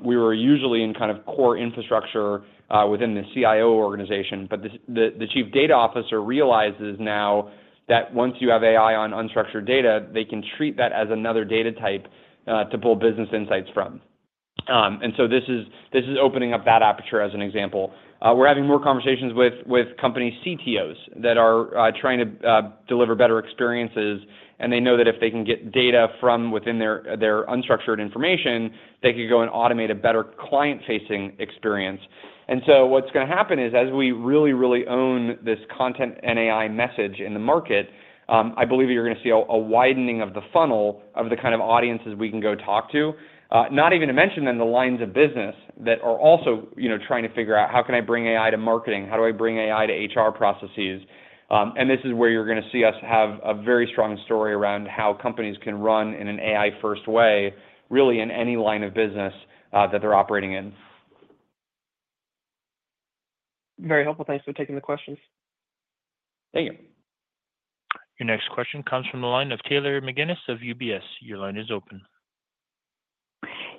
We were usually in kind of core infrastructure within the CIO organization, but the chief data officer realizes now that once you have AI on unstructured data, they can treat that as another data type to pull business insights from. And so this is opening up that aperture as an example. We're having more conversations with company CTOs that are trying to deliver better experiences, and they know that if they can get data from within their unstructured information, they could go and automate a better client-facing experience. And so what's going to happen is, as we really, really own this content and AI message in the market, I believe you're going to see a widening of the funnel of the kind of audiences we can go talk to, not even to mention then the lines of business that are also trying to figure out, "How can I bring AI to marketing? How do I bring AI to HR processes?" And this is where you're going to see us have a very strong story around how companies can run in an AI-first way, really, in any line of business that they're operating in.
Very helpful. Thanks for taking the questions.
Thank you.
Your next question comes from the line of Taylor McGinnis of UBS. Your line is open.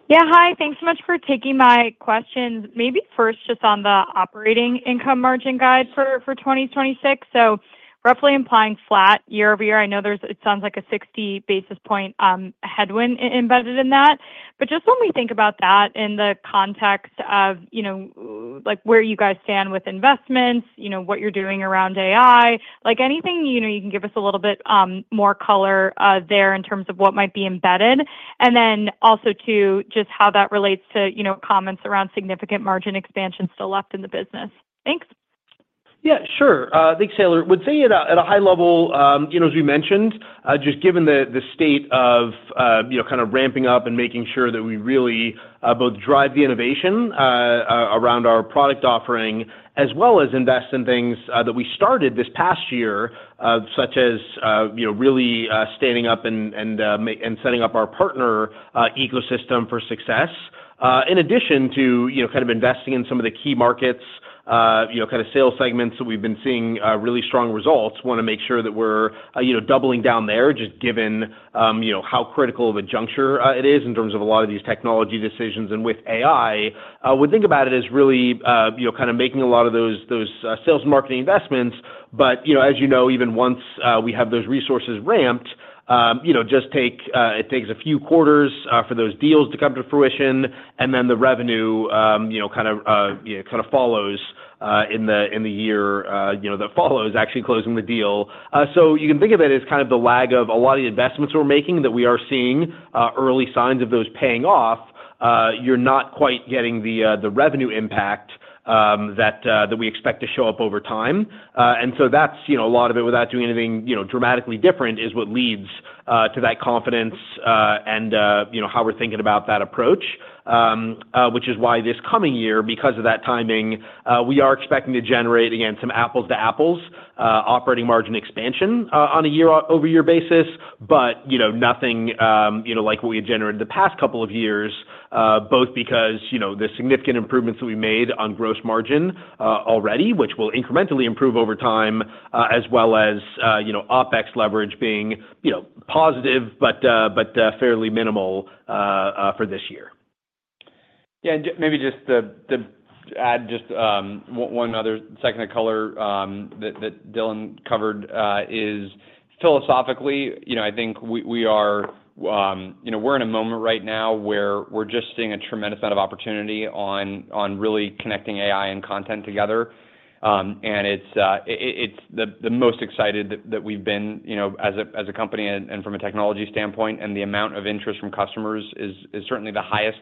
Yeah. Hi. Thanks so much for taking my questions. Maybe first, just on the operating income margin guide for 2026. So roughly implying flat year-over-year, I know it sounds like a 60 basis points headwind embedded in that. But just when we think about that in the context of where you guys stand with investments, what you're doing around AI, anything you can give us a little bit more color there in terms of what might be embedded, and then also to just how that relates to comments around significant margin expansion still left in the business. Thanks.
Yeah. Sure. Thanks, Taylor. I would say at a high level, as we mentioned, just given the state of kind of ramping up and making sure that we really both drive the innovation around our product offering as well as invest in things that we started this past year, such as really standing up and setting up our partner ecosystem for success. In addition to kind of investing in some of the key markets, kind of sales segments that we've been seeing really strong results, want to make sure that we're doubling down there just given how critical of a juncture it is in terms of a lot of these technology decisions, and with AI. We think about it as really kind of making a lot of those sales and marketing investments, but as you know, even once we have those resources ramped. It takes a few quarters for those deals to come to fruition, and then the revenue kind of follows in the year that follows actually closing the deal, so you can think of it as kind of the lag of a lot of the investments we're making that we are seeing early signs of those paying off. You're not quite getting the revenue impact that we expect to show up over time. And so that's a lot of it without doing anything dramatically different is what leads to that confidence and how we're thinking about that approach. Which is why this coming year, because of that timing, we are expecting to generate, again, some apples to apples operating margin expansion on a year-over-year basis, but nothing like what we had generated the past couple of years, both because the significant improvements that we made on gross margin already, which will incrementally improve over time, as well as OpEx leverage being positive but fairly minimal for this year.
Yeah and maybe just to add just one other second of color that Dylan covered is philosophically, I think we are in a moment right now where we're just seeing a tremendous amount of opportunity on really connecting AI and content together. And it's the most excited that we've been as a company and from a technology standpoint, and the amount of interest from customers is certainly the highest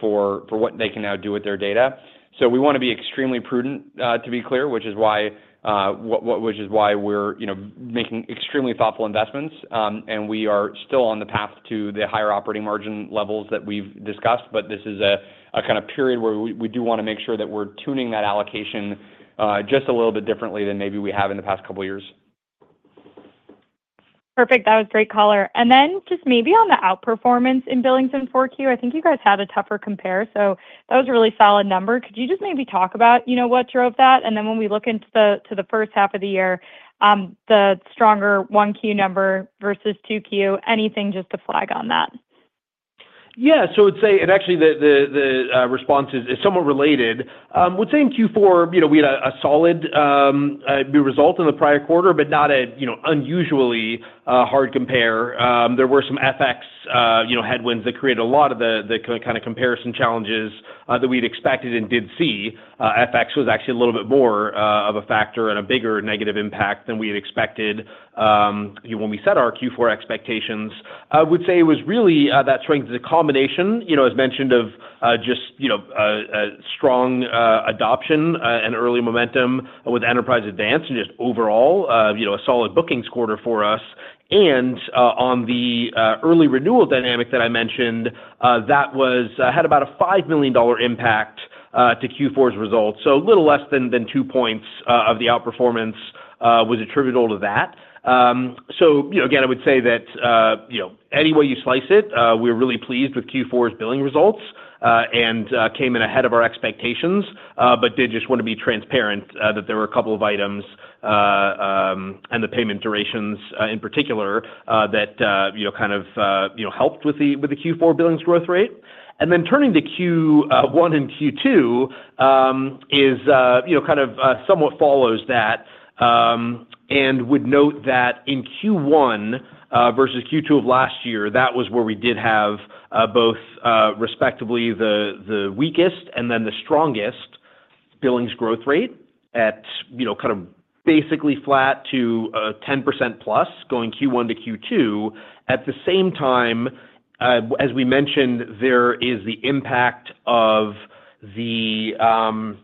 for what they can now do with their data. So we want to be extremely prudent, to be clear, which is why we're making extremely thoughtful investments. And we are still on the path to the higher operating margin levels that we've discussed, but this is a kind of period where we do want to make sure that we're tuning that allocation just a little bit differently than maybe we have in the past couple of years.
Perfect. That was great color. And then just maybe on the outperformance in billings and for Q, I think you guys had a tougher compare. So that was a really solid number. Could you just maybe talk about what drove that? And then when we look into the first half of the year, the stronger Q1 number versus Q2, anything just to flag on that?
Yeah. So I would say, and actually the response is somewhat related. With same Q4, we had a solid result in the prior quarter, but not an unusually hard compare. There were some FX headwinds that created a lot of the kind of comparison challenges that we'd expected and did see. FX was actually a little bit more of a factor and a bigger negative impact than we had expected when we set our Q4 expectations. I would say it was really that strength is a combination, as mentioned, of just strong adoption and early momentum with Enterprise Advanced and just overall a solid bookings quarter for us, and on the early renewal dynamic that I mentioned, that had about a $5 million impact to Q4's results. So a little less than two points of the outperformance was attributable to that. So again, I would say that any way you slice it, we're really pleased with Q4's billings results and came in ahead of our expectations, but did just want to be transparent that there were a couple of items and the payment durations in particular that kind of helped with the Q4 billings growth rate, and then turning to Q1 and Q2 is kind of somewhat follows that. Would note that in Q1 versus Q2 of last year, that was where we did have both respectively the weakest and then the strongest billings growth rate at kind of basically flat to 10% plus going Q1 to Q2. At the same time, as we mentioned, there is the impact of FX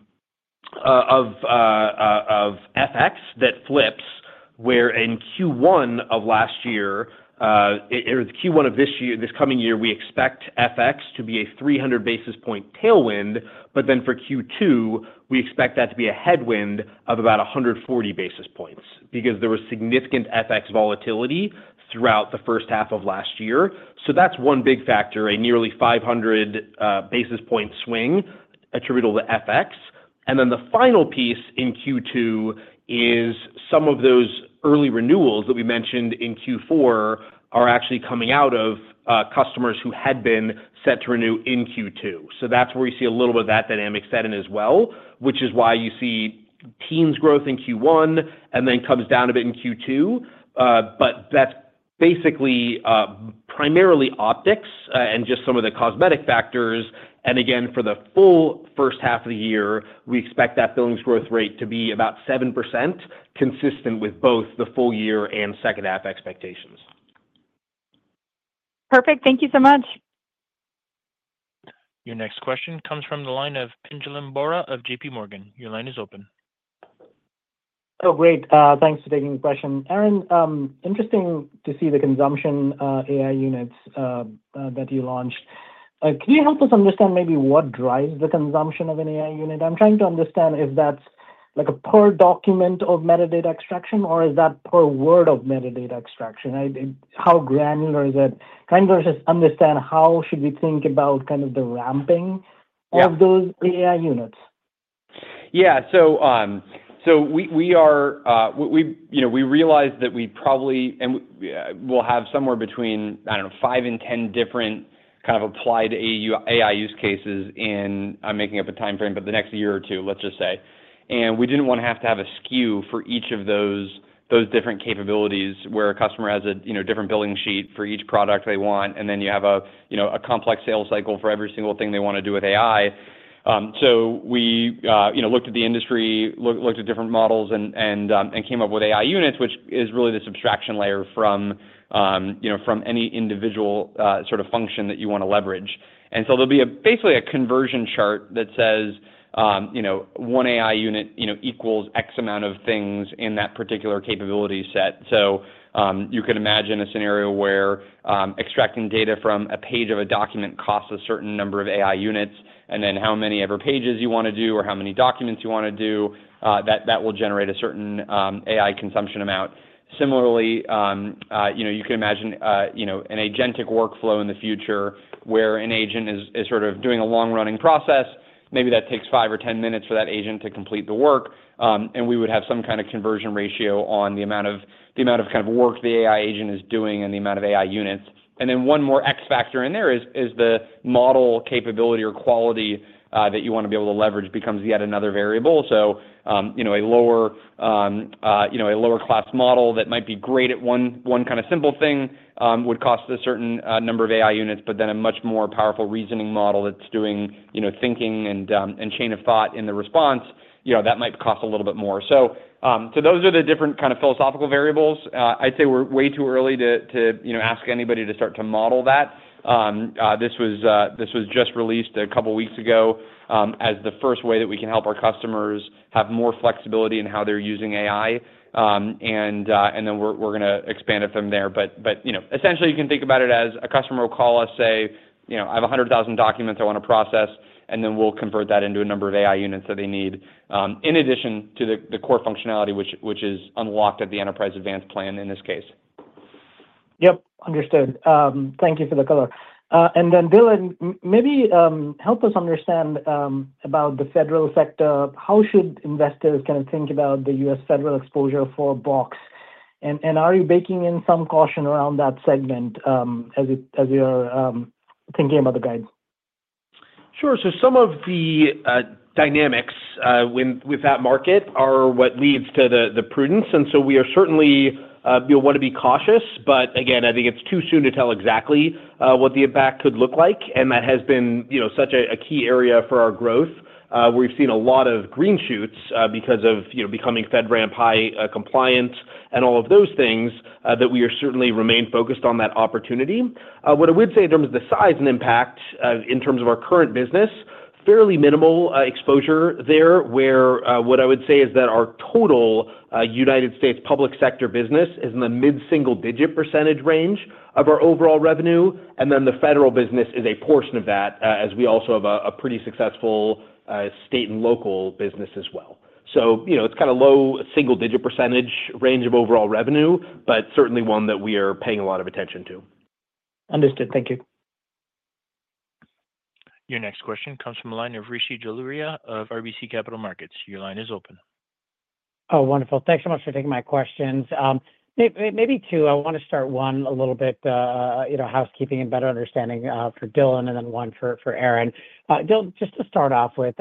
that flips where in Q1 of last year or Q1 of this coming year, we expect FX to be a 300 basis points tailwind, but then for Q2, we expect that to be a headwind of about 140 basis points because there was significant FX volatility throughout the first half of last year. That's one big factor, a nearly 500 basis points swing attributable to FX. And then the final piece in Q2 is some of those early renewals that we mentioned in Q4 are actually coming out of customers who had been set to renew in Q2. So that's where we see a little bit of that dynamic set in as well, which is why you see teens growth in Q1 and then comes down a bit in Q2. But that's basically primarily optics and just some of the cosmetic factors. And again, for the full first half of the year, we expect that billings growth rate to be about 7%, consistent with both the full year and second half expectations.
Perfect. Thank you so much.
Your next question comes from the line of Pinjalim Bora of JPMorgan. Your line is open.
Oh, great. Thanks for taking the question. Aaron, interesting to see the consumption AI units that you launched. Can you help us understand maybe what drives the consumption of an AI unit? I'm trying to understand if that's a per document of metadata extraction or is that per word of metadata extraction? How granular is it? Kind of just understand how should we think about kind of the ramping of those AI units?
Yeah. So, we realized that we probably will have somewhere between, I don't know, five and 10 different kind of applied AI use cases in, I'm making up a time frame, but the next year or two, let's just say. And we didn't want to have to have a SKU for each of those different capabilities where a customer has a different billing sheet for each product they want, and then you have a complex sales cycle for every single thing they want to do with AI. So we looked at the industry, looked at different models, and came up with AI units, which is really the abstraction layer from any individual sort of function that you want to leverage. And so there'll be basically a conversion chart that says one AI unit equals X amount of things in that particular capability set. So you can imagine a scenario where extracting data from a page of a document costs a certain number of AI units, and then however many pages you want to do or how many documents you want to do, that will generate a certain AI consumption amount. Similarly, you can imagine an agentic workflow in the future where an agent is sort of doing a long-running process. Maybe that takes five or 10 minutes for that agent to complete the work, and we would have some kind of conversion ratio on the amount of kind of work the AI agent is doing and the amount of AI units, and then one more X factor in there is the model capability or quality that you want to be able to leverage becomes yet another variable. So a lower-class model that might be great at one kind of simple thing would cost a certain number of AI units, but then a much more powerful reasoning model that's doing thinking and chain of thought in the response, that might cost a little bit more. So those are the different kind of philosophical variables. I'd say we're way too early to ask anybody to start to model that. This was just released a couple of weeks ago as the first way that we can help our customers have more flexibility in how they're using AI. And then we're going to expand it from there. But essentially, you can think about it as a customer will call us, say, "I have 100,000 documents I want to process," and then we'll convert that into a number of AI units that they need in addition to the core functionality, which is unlocked at the Enterprise Advanced plan in this case.
Yep. Understood. Thank you for the color. And then, Dylan, maybe help us understand about the federal sector. How should investors kind of think about the U.S. federal exposure for Box? And are you baking in some caution around that segment as you're thinking about the guides?
Sure. So some of the dynamics with that market are what leads to the prudence. And so we certainly want to be cautious. But again, I think it's too soon to tell exactly what the impact could look like. And that has been such a key area for our growth where we've seen a lot of green shoots because of becoming FedRAMP High compliance and all of those things that we are certainly remained focused on that opportunity. What I would say in terms of the size and impact in terms of our current business, fairly minimal exposure there, where what I would say is that our total United States public sector business is in the mid-single-digit % range of our overall revenue. And then the federal business is a portion of that, as we also have a pretty successful state and local business as well. So it's kind of low single-digit percentage range of overall revenue, but certainly one that we are paying a lot of attention to.
Understood. Thank you.
Your next question comes from Rishi Jaluria of RBC Capital Markets. Your line is open.
Oh, wonderful. Thanks so much for taking my questions. Maybe two. I want to start one a little bit housekeeping and better understanding for Dylan and then one for Aaron. Dylan, just to start off with,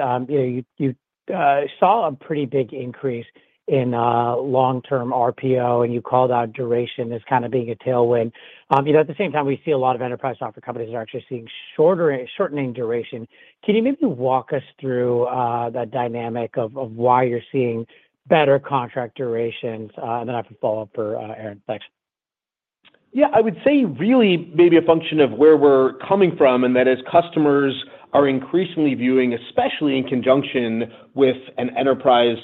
you saw a pretty big increase in long-term RPO, and you called out duration as kind of being a tailwind. At the same time, we see a lot of enterprise software companies that are actually seeing shortening duration. Can you maybe walk us through that dynamic of why you're seeing better contract durations? And then I have a follow-up for Aaron. Thanks.
Yeah, I would say really maybe a function of where we're coming from and that as customers are increasingly viewing, especially in conjunction with an Enterprise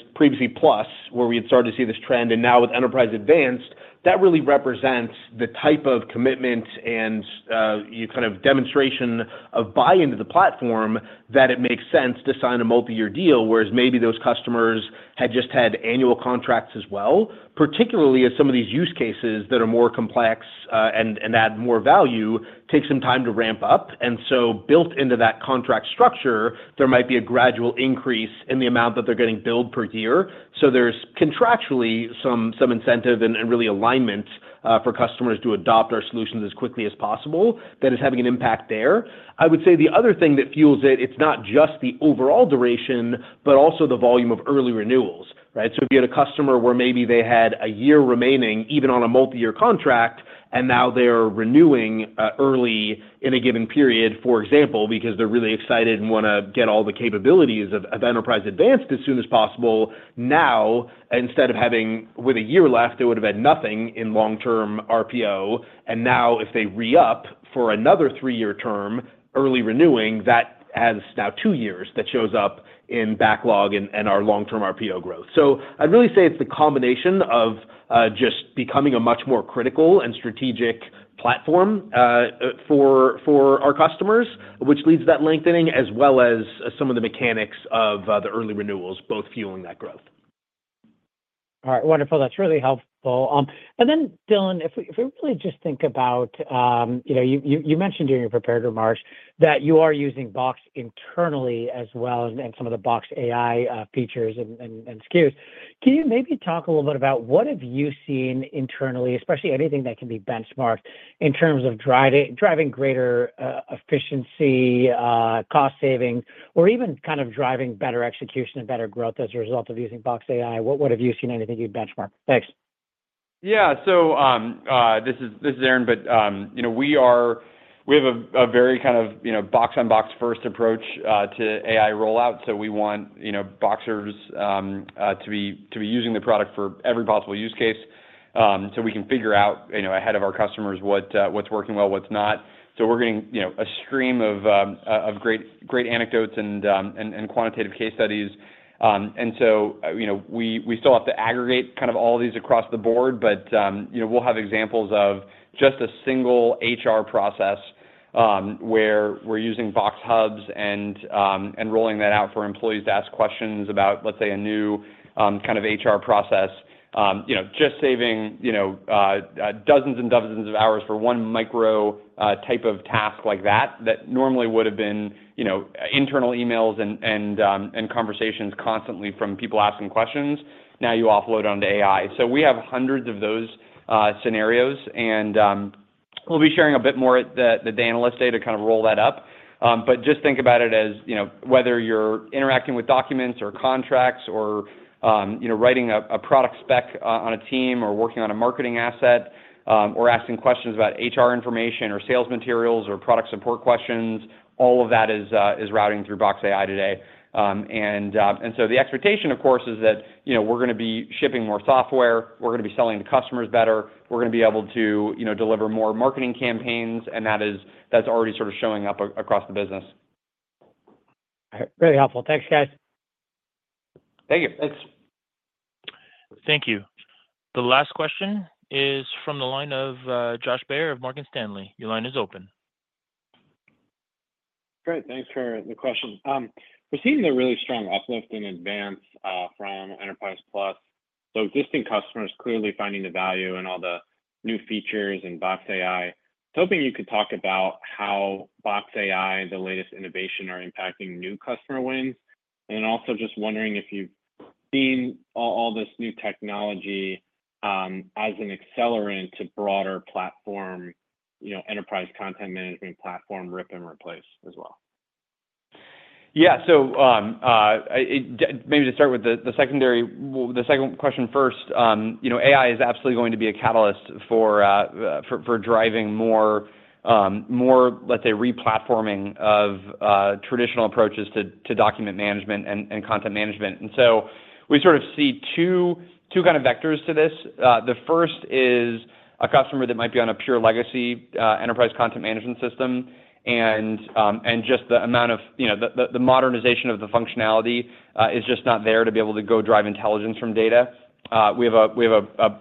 Plus where we had started to see this trend and now with Enterprise Advanced, that really represents the type of commitment and kind of demonstration of buy-in to the platform that it makes sense to sign a multi-year deal, whereas maybe those customers had just had annual contracts as well, particularly as some of these use cases that are more complex and add more value take some time to ramp up, and so built into that contract structure, there might be a gradual increase in the amount that they're getting billed per year, so there's contractually some incentive and really alignment for customers to adopt our solutions as quickly as possible that is having an impact there. I would say the other thing that fuels it, it's not just the overall duration, but also the volume of early renewals, right? So if you had a customer where maybe they had a year remaining even on a multi-year contract, and now they're renewing early in a given period, for example, because they're really excited and want to get all the capabilities of Enterprise Advanced as soon as possible now, instead of having with a year left, they would have had nothing in long-term RPO. And now if they re-up for another three-year term early renewing, that has now two years that shows up in backlog and our long-term RPO growth. So, I'd really say it's the combination of just becoming a much more critical and strategic platform for our customers, which leads to that lengthening as well as some of the mechanics of the early renewals, both fueling that growth.
All right. Wonderful. That's really helpful. And then, Dylan, if we really just think about you mentioned during your prepared remarks that you are using Box internally as well and some of the Box AI features and SKUs. Can you maybe talk a little bit about what have you seen internally, especially anything that can be benchmarked in terms of driving greater efficiency, cost savings, or even kind of driving better execution and better growth as a result of using Box AI? What have you seen, anything you'd benchmark? Thanks.
Yeah. So, this is Aaron, but we have a very kind of Box on Box first approach to AI rollout. So we want Boxers to be using the product for every possible use case so we can figure out ahead of our customers what's working well, what's not. So, we're getting a stream of great anecdotes and quantitative case studies. And so we still have to aggregate kind of all these across the board, but we'll have examples of just a single HR process where we're using Box Hubs and rolling that out for employees to ask questions about, let's say, a new kind of HR process, just saving dozens and dozens of hours for one micro type of task like that that normally would have been internal emails and conversations constantly from people asking questions, now you offload onto AI. So we have hundreds of those scenarios, and we'll be sharing a bit more at Analyst Day to kind of roll that up. But just think about it as whether you're interacting with documents or contracts or writing a product spec on a team or working on a marketing asset or asking questions about HR information or sales materials or product support questions, all of that is routing through Box AI today. And so the expectation, of course, is that we're going to be shipping more software. We're going to be selling to customers better. We're going to be able to deliver more marketing campaigns, and that's already sort of showing up across the business.
Really helpful. Thanks, guys.
Thank you. Thanks.
Thank you. The last question is from the line of Josh Baer of Morgan Stanley. Your line is open.
Great. Thanks for the question. We're seeing a really strong uplift in Advanced from Enterprise Plus. So existing customers clearly finding the value in all the new features and Box AI. Hoping you could talk about how Box AI, the latest innovation, are impacting new customer wins. And then also just wondering if you've seen all this new technology as an accelerant to broader platform, enterprise content management platform, rip and replace as well.
Yeah. So maybe to start with the second question first, AI is absolutely going to be a catalyst for driving more, let's say, re-platforming of traditional approaches to document management and content management. And so we sort of see two kind of vectors to this. The first is a customer that might be on a pure legacy enterprise content management system, and just the amount of the modernization of the functionality is just not there to be able to go drive intelligence from data. We have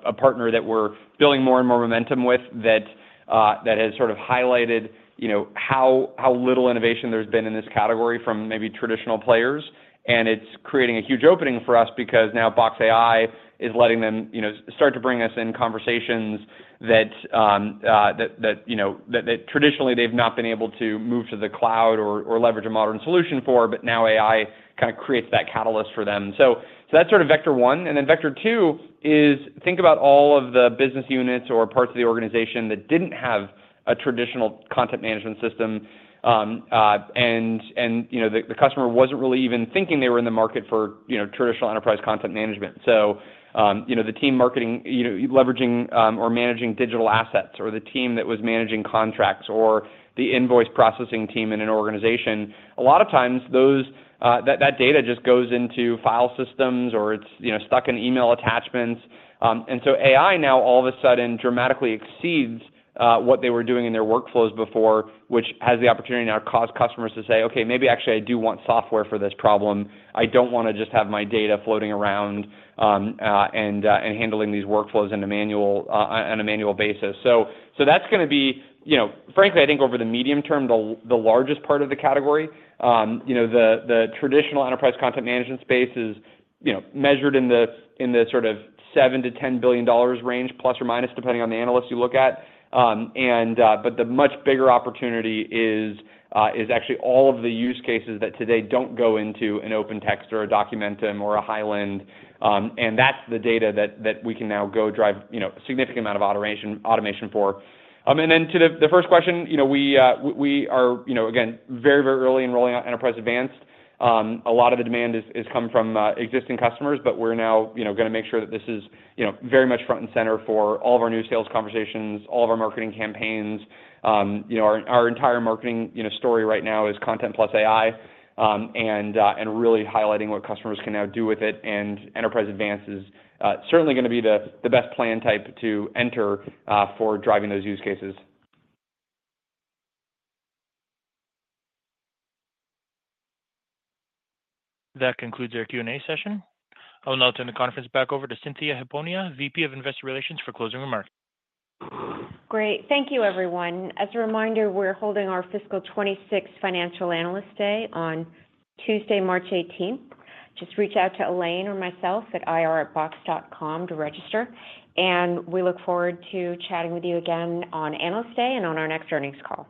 a partner that we're building more and more momentum with that has sort of highlighted how little innovation there's been in this category from maybe traditional players. And it's creating a huge opening for us because now Box AI is letting them start to bring us in conversations that traditionally they've not been able to move to the cloud or leverage a modern solution for, but now AI kind of creates that catalyst for them. So that's sort of vector one and then vector two is think about all of the business units or parts of the organization that didn't have a traditional content management system, and the customer wasn't really even thinking they were in the market for traditional enterprise content management. So the team leveraging or managing digital assets or the team that was managing contracts or the invoice processing team in an organization. A lot of times that data just goes into file systems or it's stuck in email attachments. And so AI now all of a sudden dramatically exceeds what they were doing in their workflows before, which has the opportunity now to cause customers to say, "Okay, maybe actually I do want software for this problem. I don't want to just have my data floating around and handling these workflows on a manual basis." So that's going to be, frankly, I think over the medium term, the largest part of the category. The traditional enterprise content management space is measured in the sort of $7 billion-$10 billion range, plus or minus, depending on the analyst you look at. But the much bigger opportunity is actually all of the use cases that today don't go into an OpenText or a Documentum or a Hyland. And that's the data that we can now go drive a significant amount of automation for. And then to the first question, we are again very, very early in rolling out Enterprise Advanced. A lot of the demand has come from existing customers, but we're now going to make sure that this is very much front and center for all of our new sales conversations, all of our marketing campaigns. Our entire marketing story right now is content plus AI and really highlighting what customers can now do with it. And Enterprise Advanced is certainly going to be the best plan type to enter for driving those use cases.
That concludes our Q&A session. I'll now turn the conference back over to Cynthia Hiponia, VP of Investor Relations, for closing remarks.
Great. Thank you, everyone. As a reminder, we're holding our Fiscal 2026 financial Analyst Day on Tuesday, March 18th. Just reach out to Elaine or myself at ir@box.com to register. And we look forward to chatting with you again on Analyst Day and on our next earnings call.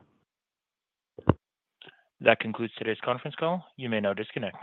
That concludes today's conference call. You may now disconnect.